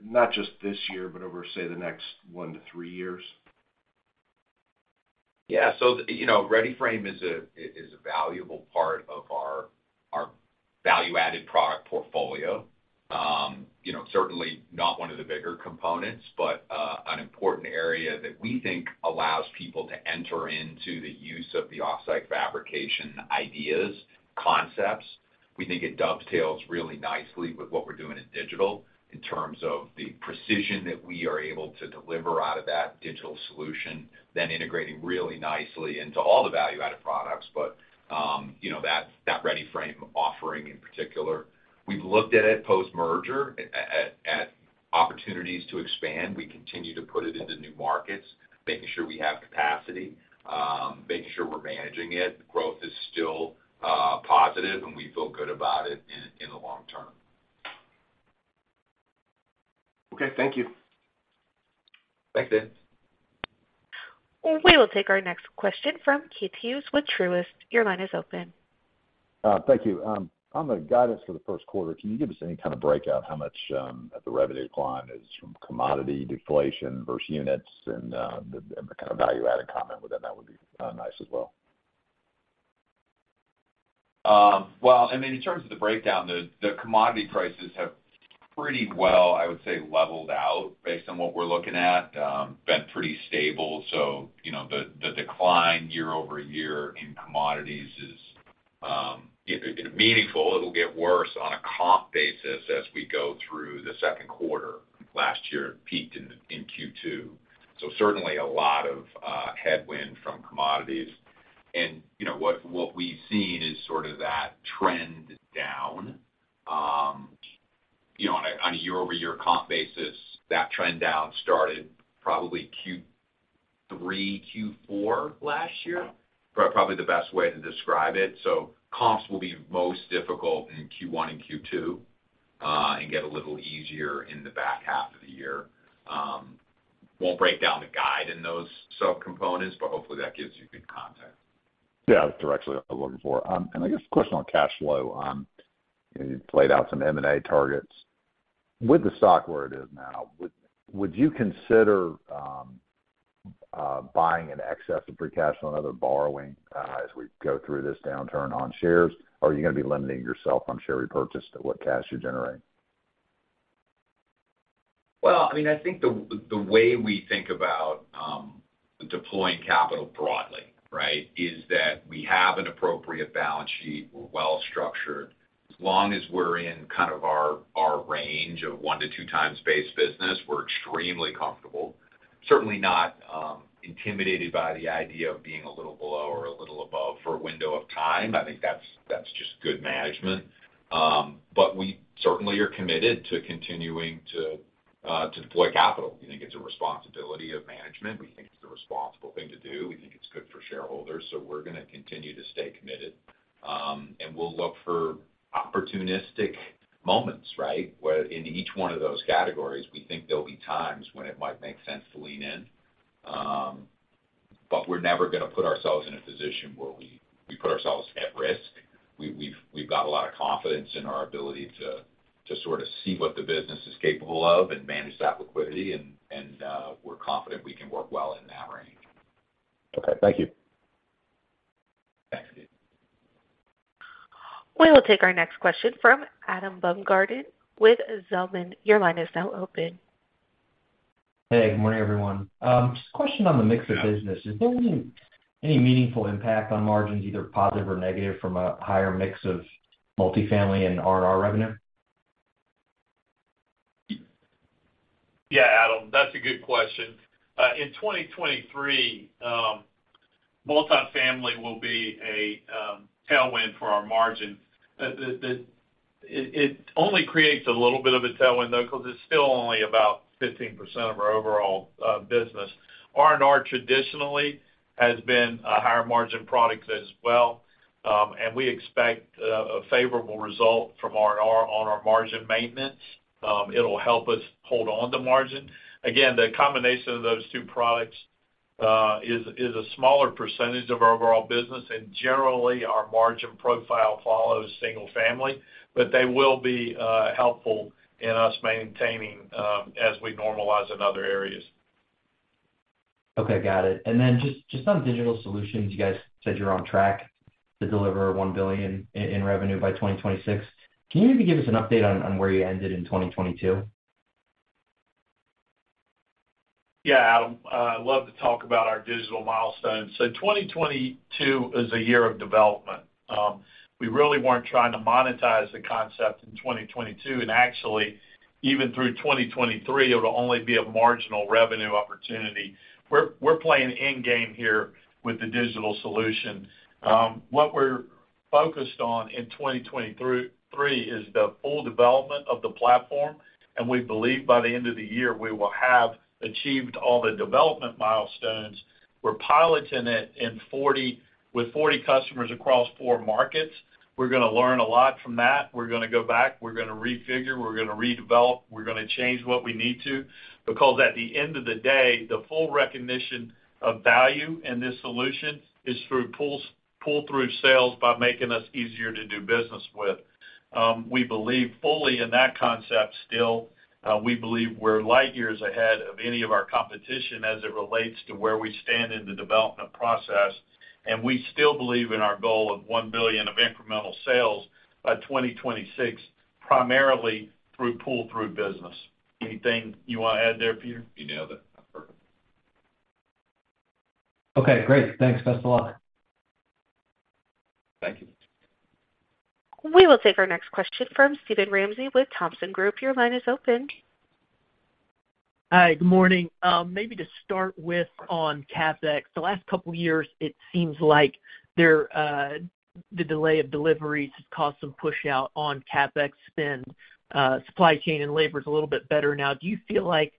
not just this year, but over, say, the next one to three years? Yeah. You know, Ready-Frame is a valuable part of our value-added product portfolio. You know, certainly not one of the bigger components, but an important area that we think allows people to enter into the use of the offsite fabrication ideas, concepts. We think it dovetails really nicely with what we're doing in digital in terms of the precision that we are able to deliver out of that digital solution, then integrating really nicely into all the value-added products. You know, that Ready-Frame offering in particular, we've looked at it post-merger at opportunities to expand. We continue to put it into new markets, making sure we have capacity, making sure we're managing it. The growth is still positive, and we feel good about it in the long term. Okay, thank you. Thanks, Dave. We will take our next question from Keith Hughes with Truist. Your line is open. Thank you. On the guidance for the first quarter, can you give us any kind of breakout how much of the revenue decline is from commodity deflation versus units? A kind of value-added comment within that would be nice as well. Well, I mean, in terms of the breakdown, the commodity prices have pretty well, I would say, leveled out based on what we're looking at, been pretty stable. You know, the decline year-over-year in commodities is meaningful. It'll get worse on a comp basis as we go through the second quarter. Last year, it peaked in Q2. Certainly a lot of headwind from commodities. You know, what we've seen is sort of that trend down. You know, on a year-over-year comp basis, that trend down started probably Q3, Q4 last year. Probably the best way to describe it. Comps will be most difficult in Q1 and Q2 and get a little easier in the back half of the year. Won't break down the guide in those subcomponents, but hopefully that gives you good context. Yeah, that's directionally what I'm looking for. I guess a question on cash flow. You played out some M&A targets. With the stock where it is now, would you consider buying in excess of free cash on other borrowing as we go through this downturn on shares? Or are you gonna be limiting yourself on share repurchase to what cash you generate? Well, I mean, I think the way we think about deploying capital broadly, right, is that we have an appropriate balance sheet. We're well-structured. As long as we're in kind of our range of one to two times base business, we're extremely comfortable. Certainly not intimidated by the idea of being a little below or a little above for a window of time. I think that's just good management. We certainly are committed to continuing to deploy capital. We think it's a responsibility of management. We think it's the responsible thing to do. We think it's good for shareholders, so we're gonna continue to stay committed. We'll look for opportunistic moments, right? Where in each one of those categories, we think there'll be times when it might make sense to lean in. We're never gonna put ourselves in a position where we put ourselves at risk. We've got a lot of confidence in our ability to To sort of see what the business is capable of and manage that liquidity and, we're confident we can work well in that range. Okay, thank you. Thanks, Steve. We will take our next question from Adam Baumgarten with Zelman. Your line is now open. Good morning, everyone. Just a question on the mix of business. Yeah. Is there any meaningful impact on margins, either positive or negative, from a higher mix of multifamily and R&R revenue? Yeah, Adam, that's a good question. In 2023, multifamily will be a tailwind for our margin. It only creates a little bit of a tailwind though, because it's still only about 15% of our overall business. R&R traditionally has been a higher margin product as well, and we expect a favorable result from R&R on our margin maintenance. It'll help us hold on to margin. Again, the combination of those two products is a smaller percentage of our overall business, and generally, our margin profile follows single-family, but they will be helpful in us maintaining as we normalize in other areas. Okay, got it. Just on digital solutions, you guys said you're on track to deliver $1 billion in revenue by 2026. Can you maybe give us an update on where you ended in 2022? Yeah, Adam. I'd love to talk about our digital milestones. 2022 is a year of development. We really weren't trying to monetize the concept in 2022, and actually, even through 2023, it'll only be a marginal revenue opportunity. We're playing end game here with the digital solution. What we're focused on in 2023 is the full development of the platform, and we believe by the end of the year, we will have achieved all the development milestones. We're piloting it with 40 customers across four markets. We're gonna learn a lot from that. We're gonna go back, we're gonna refigure, we're gonna redevelop, we're gonna change what we need to because at the end of the day, the full recognition of value in this solution is through pull through sales by making us easier to do business with. We believe fully in that concept still. We believe we're light years ahead of any of our competition as it relates to where we stand in the development process. We still believe in our goal of $1 billion of incremental sales by 2026, primarily through pull-through business. Anything you wanna add there, Peter? You nailed it. That's perfect. Okay, great. Thanks. Best of luck. Thank you. We will take our next question from Steven Ramsey with Thompson Group. Your line is open. Hi, good morning. maybe to start with on CapEx. The last couple years, it seems like there the delay of deliveries has caused some push out on CapEx spend. supply chain and labor is a little bit better now. Do you feel like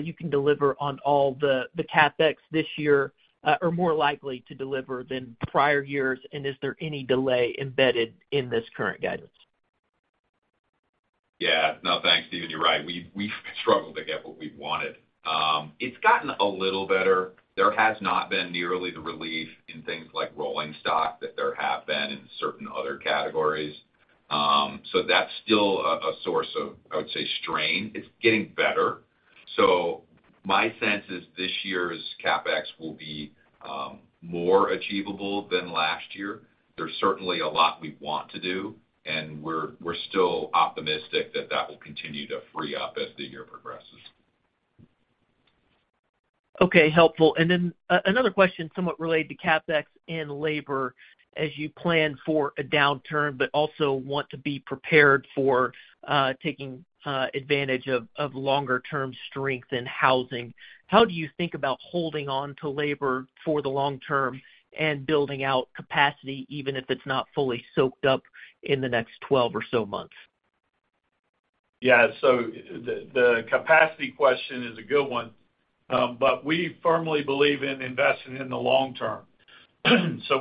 you can deliver on all the CapEx this year or more likely to deliver than prior years? Is there any delay embedded in this current guidance? Yeah. No, thanks, Steven. You're right. We've struggled to get what we wanted. It's gotten a little better. There has not been nearly the relief in things like rolling stock that there have been in certain other categories. That's still a source of, I would say, strain. It's getting better. My sense is this year's CapEx will be more achievable than last year. There's certainly a lot we want to do, and we're still optimistic that that will continue to free up as the year progresses. Okay, helpful. Another question somewhat related to CapEx and labor as you plan for a downturn, but also want to be prepared for taking advantage of longer term strength in housing. How do you think about holding on to labor for the long term and building out capacity even if it's not fully soaked up in the next 12 or so months? Yeah. The capacity question is a good one. We firmly believe in investing in the long term.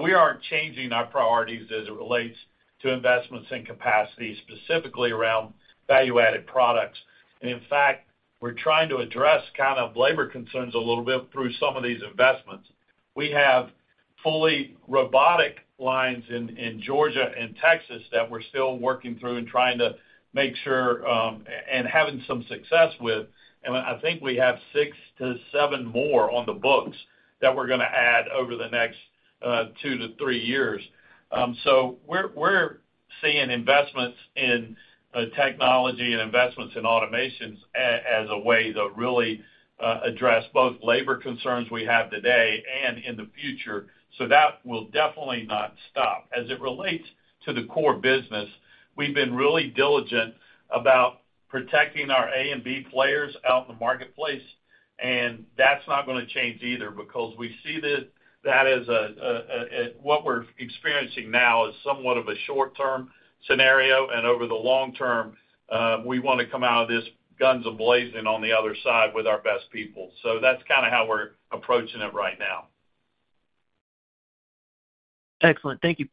We aren't changing our priorities as it relates to investments in capacity, specifically around value-added products. In fact, we're trying to address kind of labor concerns a little bit through some of these investments. We have fully robotic lines in Georgia and Texas that we're still working through and trying to make sure and having some success with. I think we have six to seven more on the books that we're gonna add over the next two to three years. We're seeing investments in technology and investments in automations as a way to really address both labor concerns we have today and in the future. That will definitely not stop. As it relates to the core business, we've been really diligent about protecting our A and B players out in the marketplace. That's not gonna change either because we see that as what we're experiencing now is somewhat of a short-term scenario. Over the long term, we wanna come out of this guns a-blazing on the other side with our best people. That's kinda how we're approaching it right now. Excellent. Thank you.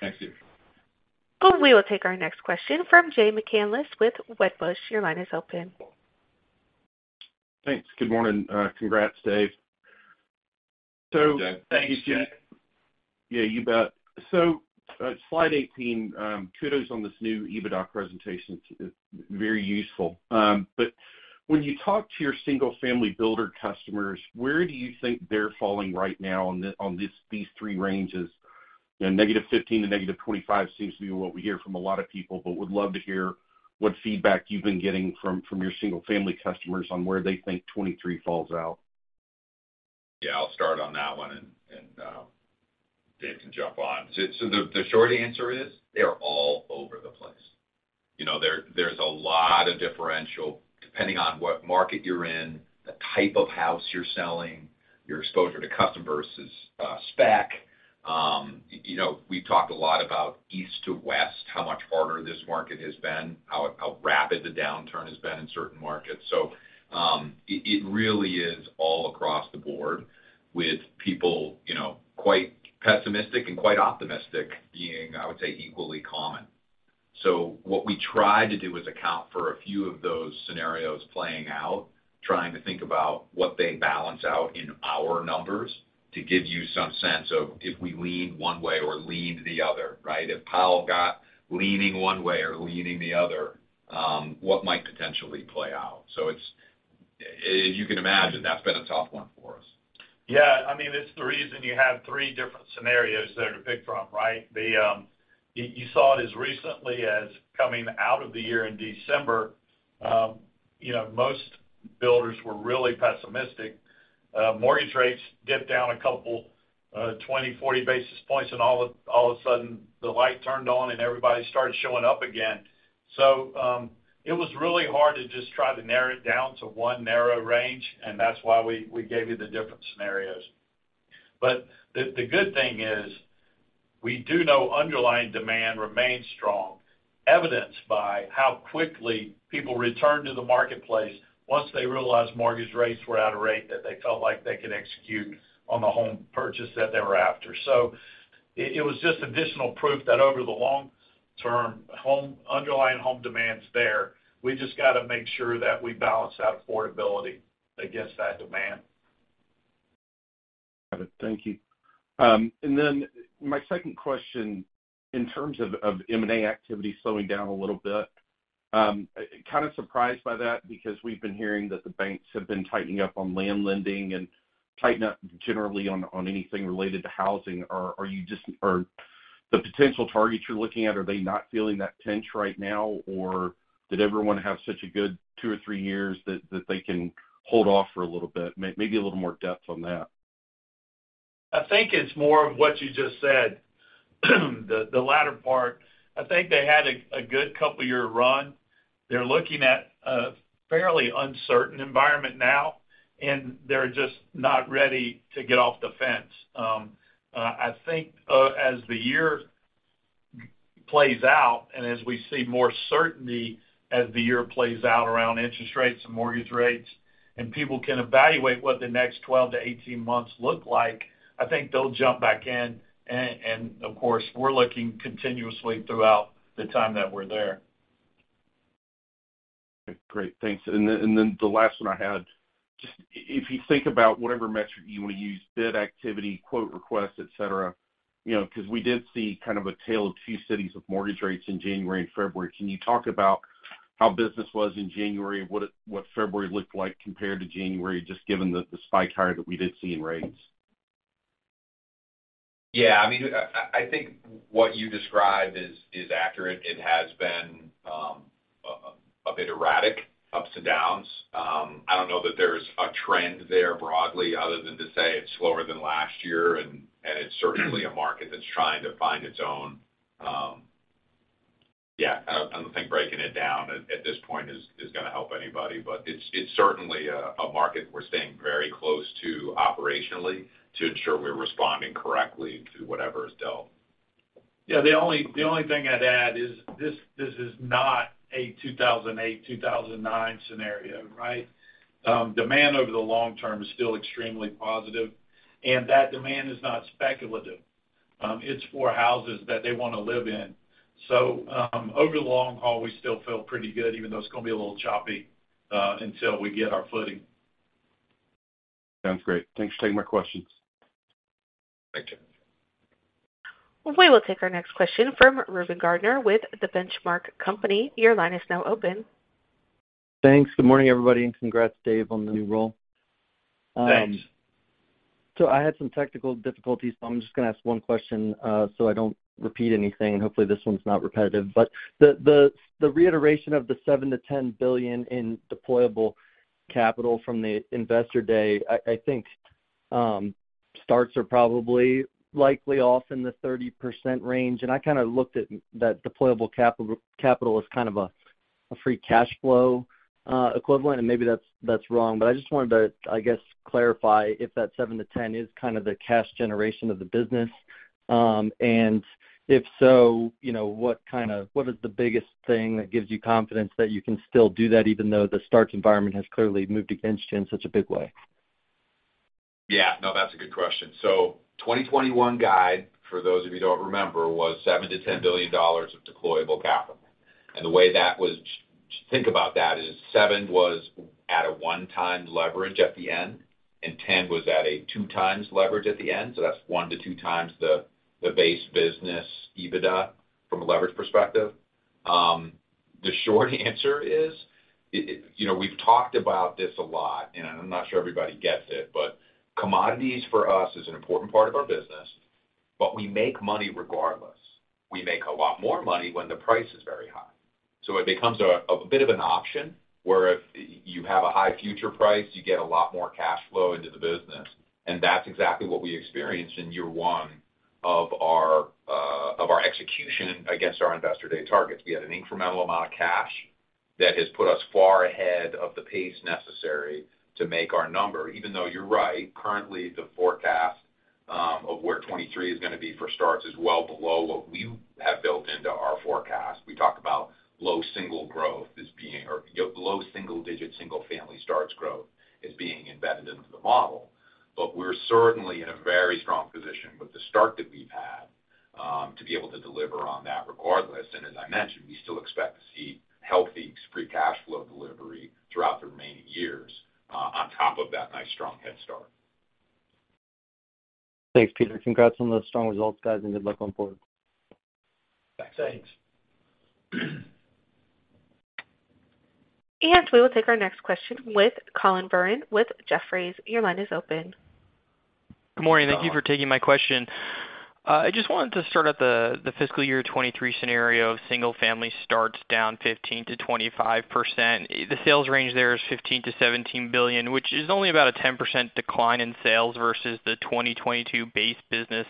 Thank you. We will take our next question from Jay McCanless with Wedbush. Your line is open. Thanks. Good morning. congrats, Dave. Thanks, Jay. Yeah, you bet. slide 18, kudos on this new EBITDA presentation. It's very useful. when you talk to your single-family builder customers, where do you think they're falling right now on this, these three ranges? You know, -15% to -25% seems to be what we hear from a lot of people, but would love to hear what feedback you've been getting from your single-family customers on where they think 2023 falls out. Yeah, I'll start on that one and Dave can jump on. The short answer is they are all over the place. You know, there's a lot of differential depending on what market you're in, the type of house you're selling, your exposure to custom versus spec. You know, we've talked a lot about East to West, how much harder this market has been, how rapid the downturn has been in certain markets. It really is all across the board with people, you know, quite pessimistic and quite optimistic being, I would say, equally common. What we try to do is account for a few of those scenarios playing out, trying to think about what they balance out in our numbers to give you some sense of if we lead one way or lead the other, right? If Powell got leaning one way or leaning the other, what might potentially play out. You can imagine that's been a tough one for us. Yeah. I mean, it's the reason you have three different scenarios there to pick from, right? You, you saw it as recently as coming out of the year in December, you know, most builders were really pessimistic. Mortgage rates dipped down a couple, 20, 40 basis points, and all of a sudden, the light turned on and everybody started showing up again. It was really hard to just try to narrow it down to one narrow range, and that's why we gave you the different scenarios. The, the good thing is we do know underlying demand remains strong, evidenced by how quickly people return to the marketplace once they realize mortgage rates were at a rate that they felt like they could execute on the home purchase that they were after. It was just additional proof that over the long-term home, underlying home demands there, we just got to make sure that we balance that affordability against that demand. Got it. Thank you. Then my second question, in terms of M&A activity slowing down a little bit, kind of surprised by that because we've been hearing that the banks have been tightening up on land lending and tighten up generally on anything related to housing. Are you just... Or the potential targets you're looking at, are they not feeling that pinch right now? Or did everyone have such a good two or three years that they can hold off for a little bit? Maybe a little more depth on that. I think it's more of what you just said, the latter part. I think they had a good couple year run. They're looking at a fairly uncertain environment now, and they're just not ready to get off the fence. I think as the year plays out and as we see more certainty as the year plays out around interest rates and mortgage rates, and people can evaluate what the next 12 to 18 months look like, I think they'll jump back in. Of course, we're looking continuously throughout the time that we're there. Great. Thanks. The last one I had, just if you think about whatever metric you want to use, bid activity, quote requests, et cetera, you know, because we did see kind of a tale of two cities with mortgage rates in January and February. Can you talk about how business was in January? What February looked like compared to January, just given the spike higher that we did see in rates? Yeah. I mean, I think what you described is accurate. It has been a bit erratic, ups and downs. I don't know that there's a trend there broadly other than to say it's slower than last year, and it's certainly a market that's trying to find its own. Yeah, I don't think breaking it down at this point is going to help anybody. It's certainly a market we're staying very close to operationally to ensure we're responding correctly to whatever is dealt. Yeah. The only thing I'd add is this is not a 2008, 2009 scenario, right? Demand over the long term is still extremely positive. That demand is not speculative. It's for houses that they want to live in. Over the long haul, we still feel pretty good even though it's going to be a little choppy until we get our footing. Sounds great. Thanks for taking my questions. Thank you. We will take our next question from Reuben Garner with The Benchmark Company. Your line is now open. Thanks. Good morning, everybody. Congrats, Dave, on the new role. Thanks. I had some technical difficulties, but I'm just gonna ask one question, so I don't repeat anything. Hopefully, this one's not repetitive. The reiteration of the $7 billion-$10 billion in deployable capital from the Investor Day, I think, starts are probably likely off in the 30% range. I kind of looked at that deployable capital as kind of a free cash flow equivalent, and maybe that's wrong. I just wanted to, I guess, clarify if that $7 billion-$10 billion is kind of the cash generation of the business. If so, you know, what is the biggest thing that gives you confidence that you can still do that even though the starts environment has clearly moved against you in such a big way? Yeah. No, that's a good question. 2021 guide, for those of you who don't remember, was $7 billion-$10 billion of deployable capital. The way think about that is seven was at a 1x leverage at the end, and 10 was at a 2x leverage at the end. That's 1x-2x the base business EBITDA from a leverage perspective. The short answer is, you know, we've talked about this a lot, and I'm not sure everybody gets it, but commodities for us is an important part of our business, but we make money regardless. We make a lot more money when the price is very high. It becomes a bit of an option where if you have a high future price, you get a lot more cash flow into the business. That's exactly what we experienced in year 1 of our execution against our Investor Day targets. We had an incremental amount of cash that has put us far ahead of the pace necessary to make our number, even though you're right, currently the forecast of where 2023 is gonna be for starts is well below what we have built into our forecast. We talk about low single-digit single-family starts growth is being embedded into the model. We're certainly in a very strong position with the start that we've had to be able to deliver on that regardless. As I mentioned, we still expect to see healthy free cash flow delivery throughout the remaining years on top of that nice, strong head start. Thanks, Peter. Congrats on the strong results, guys, and good luck going forward. Thanks. Thanks. We will take our next question with Collin Verron with Jefferies. Your line is open. Good morning. Thank you for taking my question. I just wanted to start at the fiscal year 23 scenario of single-family starts down 15%-25%. The sales range there is $15 billion-$17 billion, which is only about a 10% decline in sales versus the 2022 base business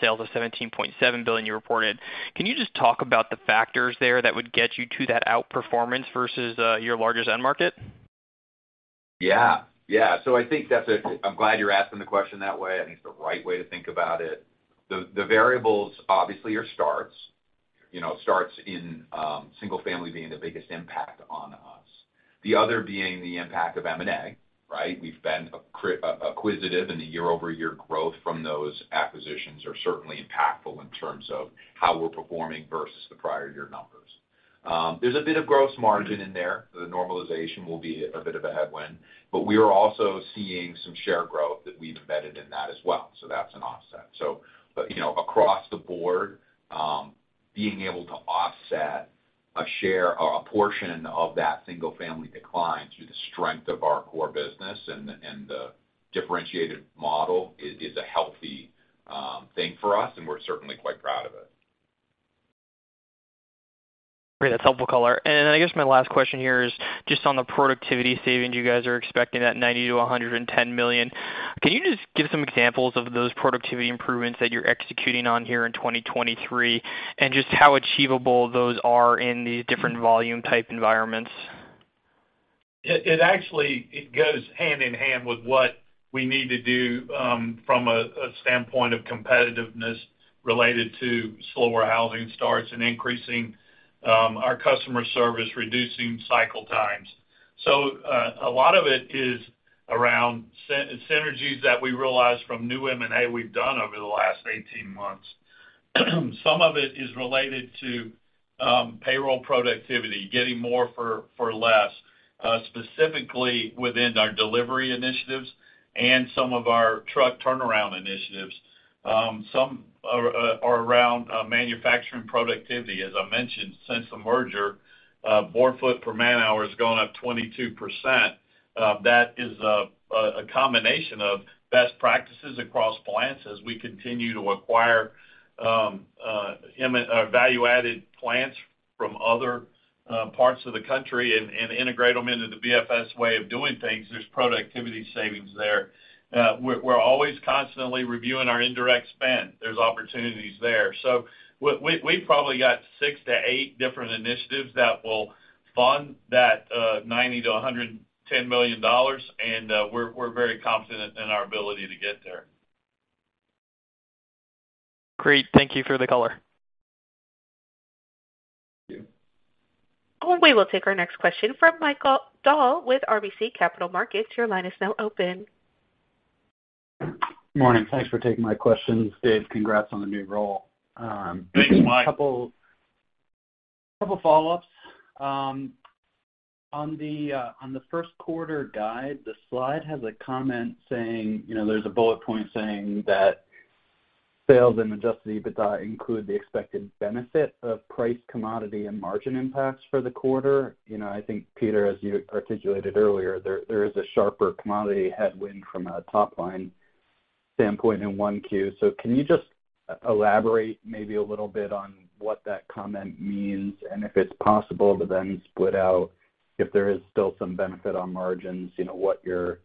sales of $17.7 billion you reported. Can you just talk about the factors there that would get you to that outperformance versus your largest end market? Yeah. I think that's. I'm glad you're asking the question that way. I think it's the right way to think about it. The variables obviously are starts, you know, starts in single family being the biggest impact on us. The other being the impact of M&A, right? We've been acquisitive in the year-over-year growth from those acquisitions are certainly impactful in terms of how we're performing versus the prior year numbers. There's a bit of gross margin in there. The normalization will be a bit of a headwind, but we are also seeing some share growth that we've embedded in that as well. That's an offset. You know, across the board, being able to offset a share or a portion of that single family decline through the strength of our core business and the differentiated model is a healthy thing for us, and we're certainly quite proud of it. Great. That's helpful color. I guess my last question here is just on the productivity savings you guys are expecting at $90 million-$110 million. Can you just give some examples of those productivity improvements that you're executing on here in 2023 and just how achievable those are in these different volume-type environments? It actually, it goes hand in hand with what we need to do from a standpoint of competitiveness related to slower housing starts and increasing our customer service, reducing cycle times. A lot of it is around synergies that we realize from new M&A we've done over the last 18 months. Some of it is related to payroll productivity, getting more for less, specifically within our delivery initiatives and some of our truck turnaround initiatives. Some are around manufacturing productivity. As I mentioned, since the merger, board foot per man-hour has gone up 22%. That is a combination of best practices across plants as we continue to acquire value-added plants from other parts of the country and integrate them into the BFS way of doing things. There's productivity savings there. We're always constantly reviewing our indirect spend. There's opportunities there. We probably got six to eight different initiatives that will fund that $90 million-$110 million. We're very confident in our ability to get there. Great. Thank you for the color. Thank you. We will take our next question from Michael Dahl with RBC Capital Markets. Your line is now open. Morning. Thanks for taking my questions. Dave, congrats on the new role. Thanks, Mike. A couple follow-ups. On the first quarter guide, the slide has a comment saying, you know, there's a bullet point saying that sales and adjusted EBITDA include the expected benefit of price, commodity, and margin impacts for the quarter. You know, I think, Peter, as you articulated earlier, there is a sharper commodity headwind from a top-line standpoint in one Q. Can you just elaborate maybe a little bit on what that comment means and if it's possible to then split out if there is still some benefit on margins, you know, what your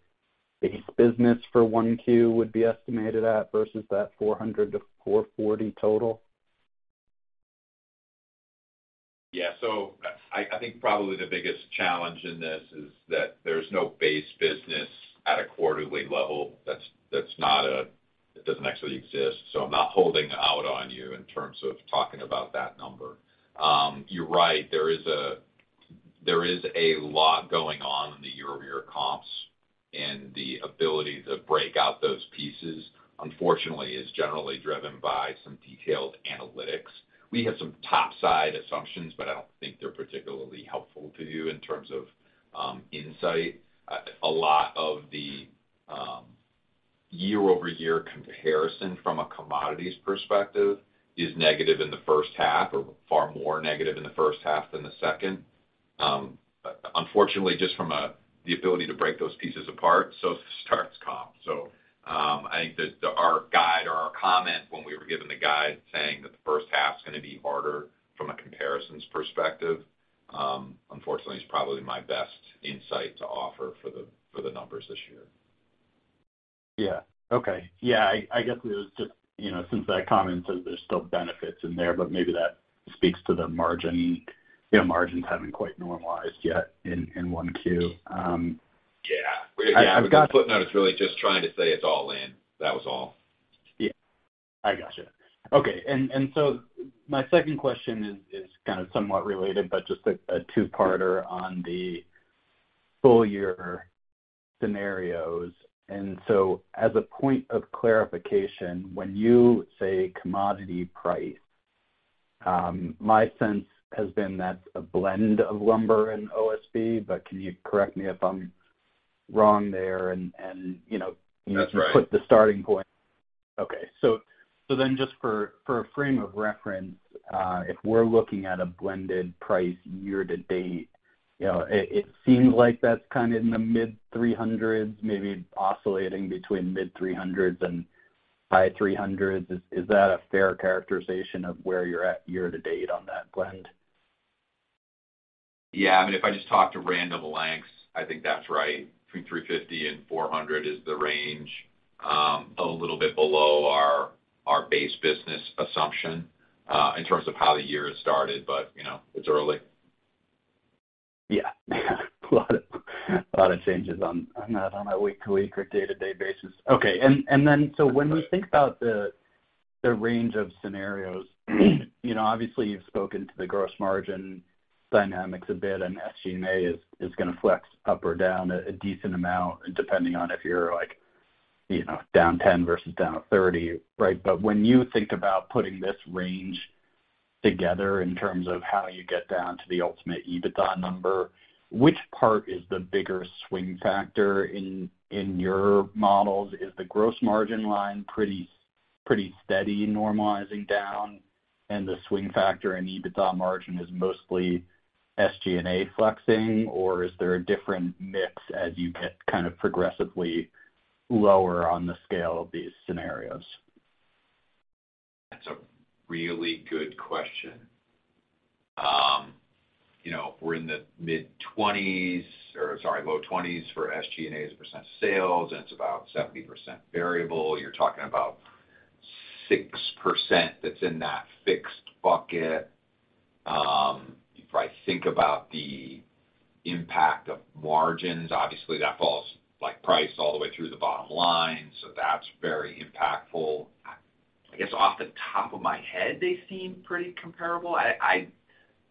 base business for one Q would be estimated at versus that 400-440 total? I think probably the biggest challenge in this is that there's no base business at a quarterly level. That's not a. It doesn't actually exist. I'm not holding out on you in terms of talking about that number. You're right. There is a lot going on in the year-over-year comps, and the ability to break out those pieces, unfortunately, is generally driven by some detailed analytics. We have some top side assumptions, but I don't think they're particularly helpful to you in terms of insight. A lot of the year-over-year comparison from a commodities perspective is negative in the first half or far more negative in the first half than the second. Unfortunately, just from the ability to break those pieces apart, so it starts comp. I think that our guide or our comment when we were given the guide saying that the first half is gonna be harder from a comparisons perspective, unfortunately is probably my best insight to offer for the numbers this year. Yeah. Okay. Yeah. I guess it was just, you know, since that comment says there's still benefits in there, but maybe that speaks to the margin. You know, margins haven't quite normalized yet in 1 Q. Yeah. I've got- The footnote is really just trying to say it's all in. That was all. Yeah. I got you. Okay. My second question is kind of somewhat related, but just a two-parter on the full year scenarios. As a point of clarification, when you say commodity price, my sense has been that's a blend of lumber and OSB, but can you correct me if I'm wrong there and, you know? That's right. Can you put the starting point? Okay. Just for a frame of reference, if we're looking at a blended price year to date, you know, it seems like that's kind of in the mid $300s, maybe oscillating between mid $300s and high $300s. Is that a fair characterization of where you're at year to date on that blend? Yeah. I mean, if I just talk to random lengths, I think that's right. Between $350 and $400 is the range, a little bit below our base business assumption, in terms of how the year has started. you know, it's early. Yeah. A lot of changes on a week-to-week or day-to-day basis. Okay. When you think about the range of scenarios, you know, obviously you've spoken to the gross margin dynamics a bit, SG&A is gonna flex up or down a decent amount depending on if you're like, you know, down 10% versus down 30%. Right? When you think about putting this range together in terms of how you get down to the ultimate EBITDA number, which part is the bigger swing factor in your models? Is the gross margin line pretty steady normalizing down and the swing factor in EBITDA margin is mostly SG&A flexing, or is there a different mix as you get kind of progressively lower on the scale of these scenarios? That's a really good question. You know, we're in the mid-20s or, sorry, low 20s for SG&A as a % of sales, and it's about 70% variable. You're talking about 6% that's in that fixed bucket. If I think about the impact of margins, obviously that falls like price all the way through the bottom line, so that's very impactful. I guess off the top of my head, they seem pretty comparable. I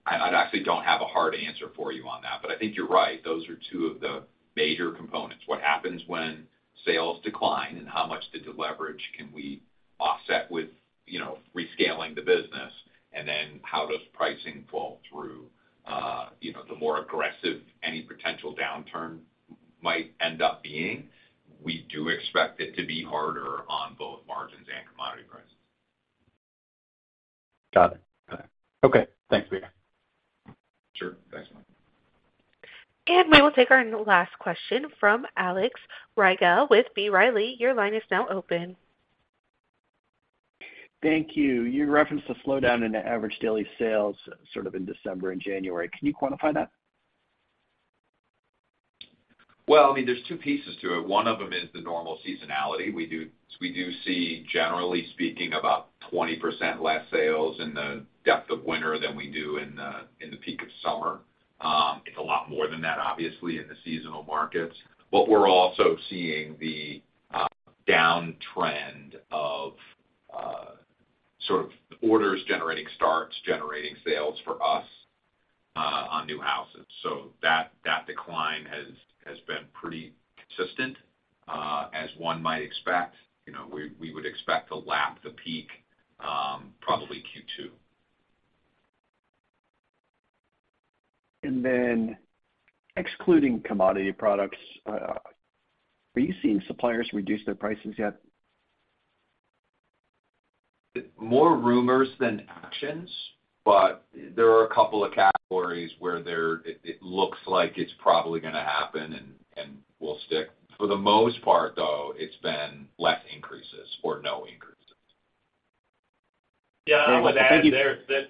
actually don't have a hard answer for you on that, but I think you're right. Those are two of the major components. What happens when sales decline, and how much of the leverage can we offset with, you know, rescaling the business, and then how does pricing fall through, you know, the more aggressive any potential downturn might end up being? We do expect it to be harder on both margins and commodity prices. Got it. Got it. Okay. Thanks. Sure. Thanks. we will take our last question from Alex Rygiel with B. Riley. Your line is now open. Thank you. You referenced a slowdown in the average daily sales sort of in December and January. Can you quantify that? Well, I mean, there's two pieces to it. One of them is the normal seasonality. We do see, generally speaking, about 20% less sales in the depth of winter than we do in the peak of summer. It's a lot more than that, obviously, in the seasonal markets. We're also seeing the downtrend of sort of orders generating starts, generating sales for us on new houses. That decline has been pretty consistent as one might expect. You know, we would expect to lap the peak, probably Q2. Excluding commodity products, are you seeing suppliers reduce their prices yet? More rumors than actions. There are a couple of categories where it looks like it's probably gonna happen and we'll stick. For the most part, though, it's been less increases or no increases. Yeah. I would add there that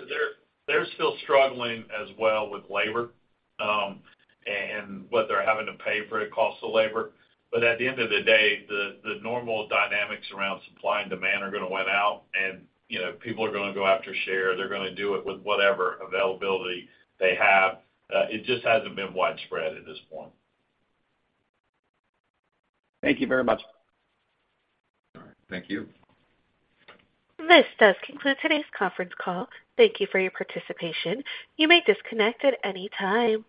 they're still struggling as well with labor, and what they're having to pay for the cost of labor. At the end of the day, the normal dynamics around supply and demand are gonna win out and, you know, people are gonna go after share. They're gonna do it with whatever availability they have. It just hasn't been widespread at this point. Thank you very much. All right. Thank you. This does conclude today's conference call. Thank you for your participation. You may disconnect at any time.